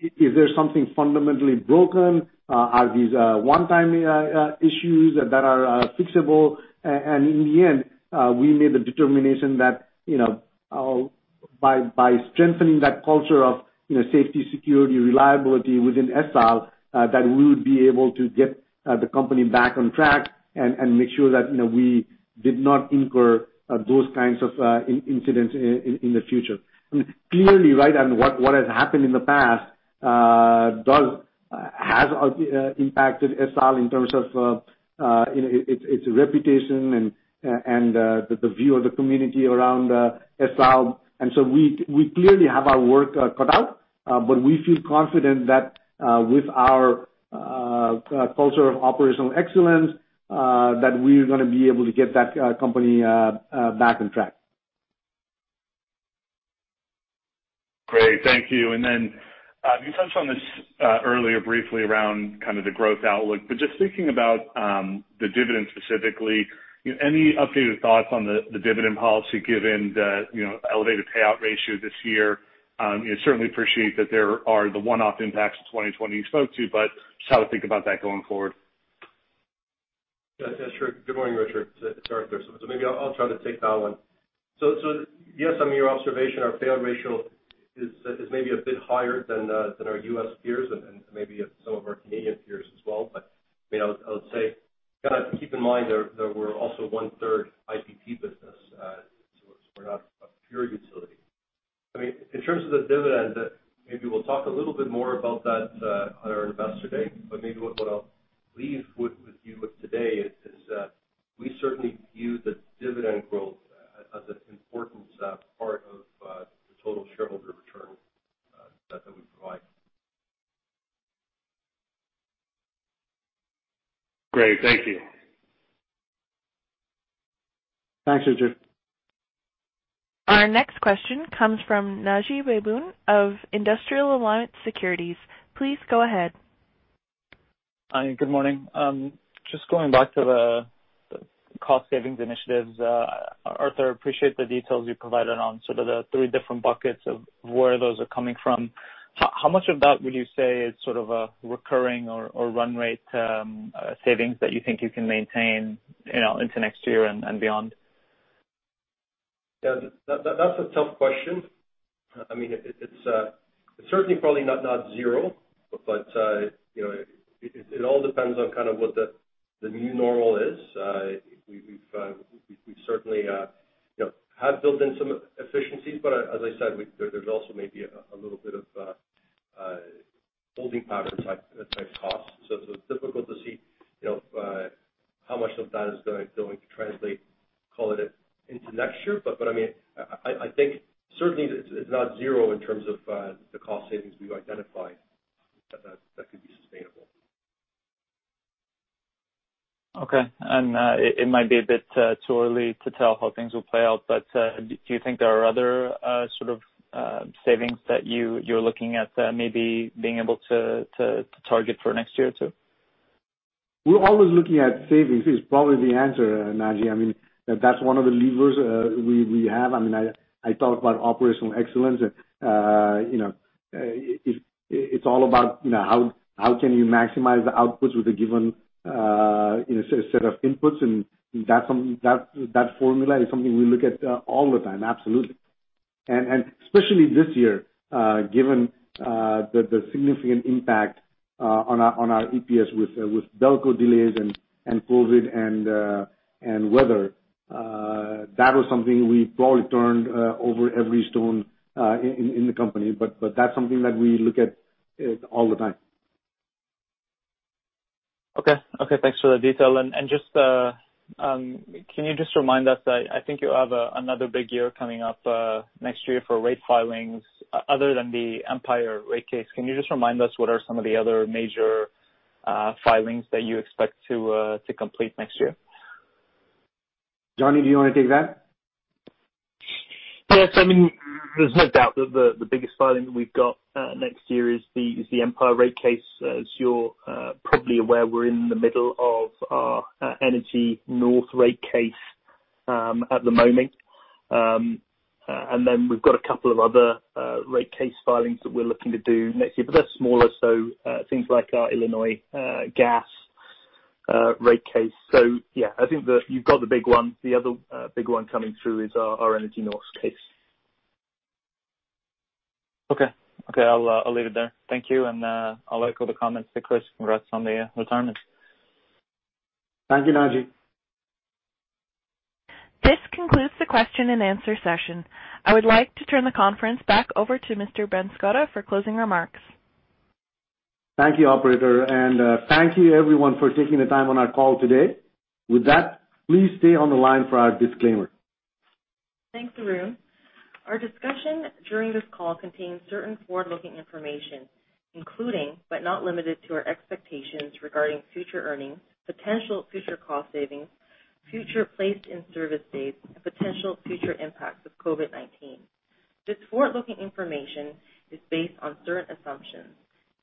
is there something fundamentally broken? Are these one-time issues that are fixable? In the end, we made the determination that by strengthening that culture of safety, security, reliability within ESSAL, that we would be able to get the company back on track and make sure that we did not incur those kinds of incidents in the future. Clearly, right, and what has happened in the past has impacted ESSAL in terms of its reputation and the view of the community around ESSAL. We clearly have our work cut out, but we feel confident that with our culture of operational excellence, that we are going to be able to get that company back on track. Great. Thank you. You touched on this earlier briefly around the growth outlook, but just thinking about the dividend specifically, any updated thoughts on the dividend policy given the elevated payout ratio this year? Certainly appreciate that there are the one-off impacts of 2020 you spoke to, but just how to think about that going forward. Yeah. Sure. Good morning, Richard. It is Arthur. Maybe I'll try to take that one. Yes, on your observation, our payout ratio is maybe a bit higher than our U.S. peers and maybe some of our Canadian peers as well. I would say, keep in mind that we're also 1/3 IPP business. We're not a pure utility. In terms of the dividend, maybe we'll talk a little bit more about that on our Investor Day, but maybe what I'll leave with you today is that we certainly view the dividend growth as an important part of the total shareholder return that we provide. Great. Thank you. Thanks, Richard. Our next question comes from Naji Baydoun of Industrial Alliance Securities. Please go ahead. Hi, good morning. Just going back to the cost savings initiatives. Arthur, appreciate the details you provided on sort of the three different buckets of where those are coming from. How much of that would you say is sort of a recurring or run rate savings that you think you can maintain into next year and beyond? That's a tough question. It's certainly probably not zero, but it all depends on kind of what the new normal is. We certainly have built in some efficiencies, but as I said, there's also maybe a little bit of holding patterns at cost. It's difficult to see how much of that is going to translate, call it, into next year. I think certainly it's not zero in terms of the cost savings we've identified that could be sustainable. Okay. It might be a bit too early to tell how things will play out, but do you think there are other sort of savings that you're looking at maybe being able to target for next year, too? We're always looking at savings is probably the answer, Naji. That's one of the levers we have. I talk about operational excellence. It's all about how can you maximize the outputs with a given set of inputs. That formula is something we look at all the time, absolutely. Especially this year, given the significant impact on our EPS with BELCO delays and COVID and weather. That was something we probably turned over every stone in the company. That's something that we look at all the time. Okay. Thanks for the detail. Can you just remind us, I think you have another big year coming up next year for rate filings other than the Empire rate case. Can you just remind us what are some of the other major filings that you expect to complete next year? Johnny, do you want to take that? Yes. There's no doubt that the biggest filing that we've got next year is the Empire rate case. As you're probably aware, we're in the middle of our Energy North rate case at the moment. We've got a couple of other rate case filings that we're looking to do next year, but they're smaller, so things like our Illinois gas rate case. I think that you've got the big one. The other big one coming through is our Energy North case. Okay. I'll leave it there. Thank you. I'll echo the comments to Chris. Congrats on the retirement. Thank you, Naji. This concludes the question and answer session. I would like to turn the conference back over to Mr. Banskota for closing remarks. Thank you, operator. Thank you everyone for taking the time on our call today. With that, please stay on the line for our disclaimer. Thanks, Arun. Our discussion during this call contains certain forward-looking information, including, but not limited to, our expectations regarding future earnings, potential future cost savings, future placed in service dates, and potential future impacts of COVID-19. This forward-looking information is based on certain assumptions,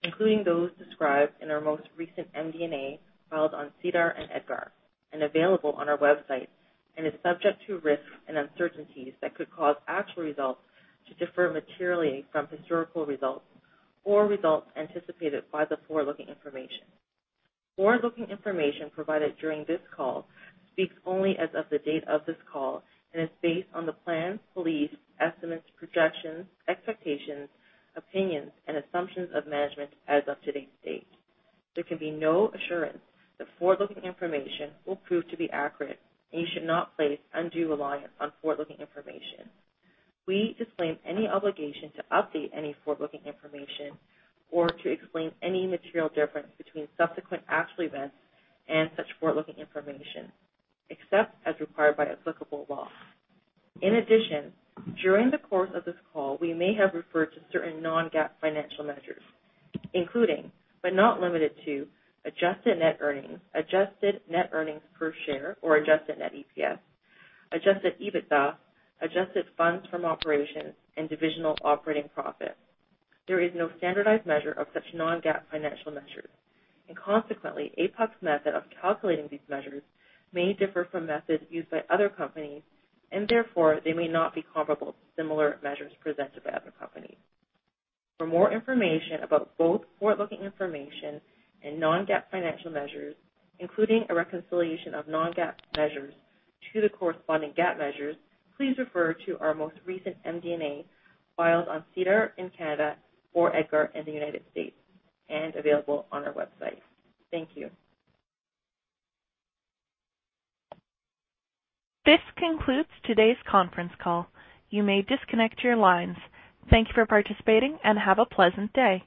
including those described in our most recent MD&A filed on SEDAR and EDGAR and available on our website, and is subject to risks and uncertainties that could cause actual results to differ materially from historical results or results anticipated by the forward-looking information. Forward-looking information provided during this call speaks only as of the date of this call and is based on the plans, beliefs, estimates, projections, expectations, opinions and assumptions of management as of today's date. There can be no assurance that forward-looking information will prove to be accurate, and you should not place undue reliance on forward-looking information. We disclaim any obligation to update any forward-looking information or to explain any material difference between subsequent actual events and such forward-looking information, except as required by applicable law. In addition, during the course of this call, we may have referred to certain non-GAAP financial measures, including, but not limited to, adjusted net earnings, adjusted net earnings per share or adjusted net EPS, adjusted EBITDA, adjusted funds from operations and divisional operating profit. There is no standardized measure of such non-GAAP financial measures, and consequently, APUC's method of calculating these measures may differ from methods used by other companies and therefore they may not be comparable to similar measures presented by other companies. For more information about both forward-looking information and non-GAAP financial measures, including a reconciliation of non-GAAP measures to the corresponding GAAP measures, please refer to our most recent MD&A filed on SEDAR in Canada or EDGAR in the United States and available on our website. Thank you. This concludes today's conference call. You may disconnect your lines. Thank you for participating and have a pleasant day.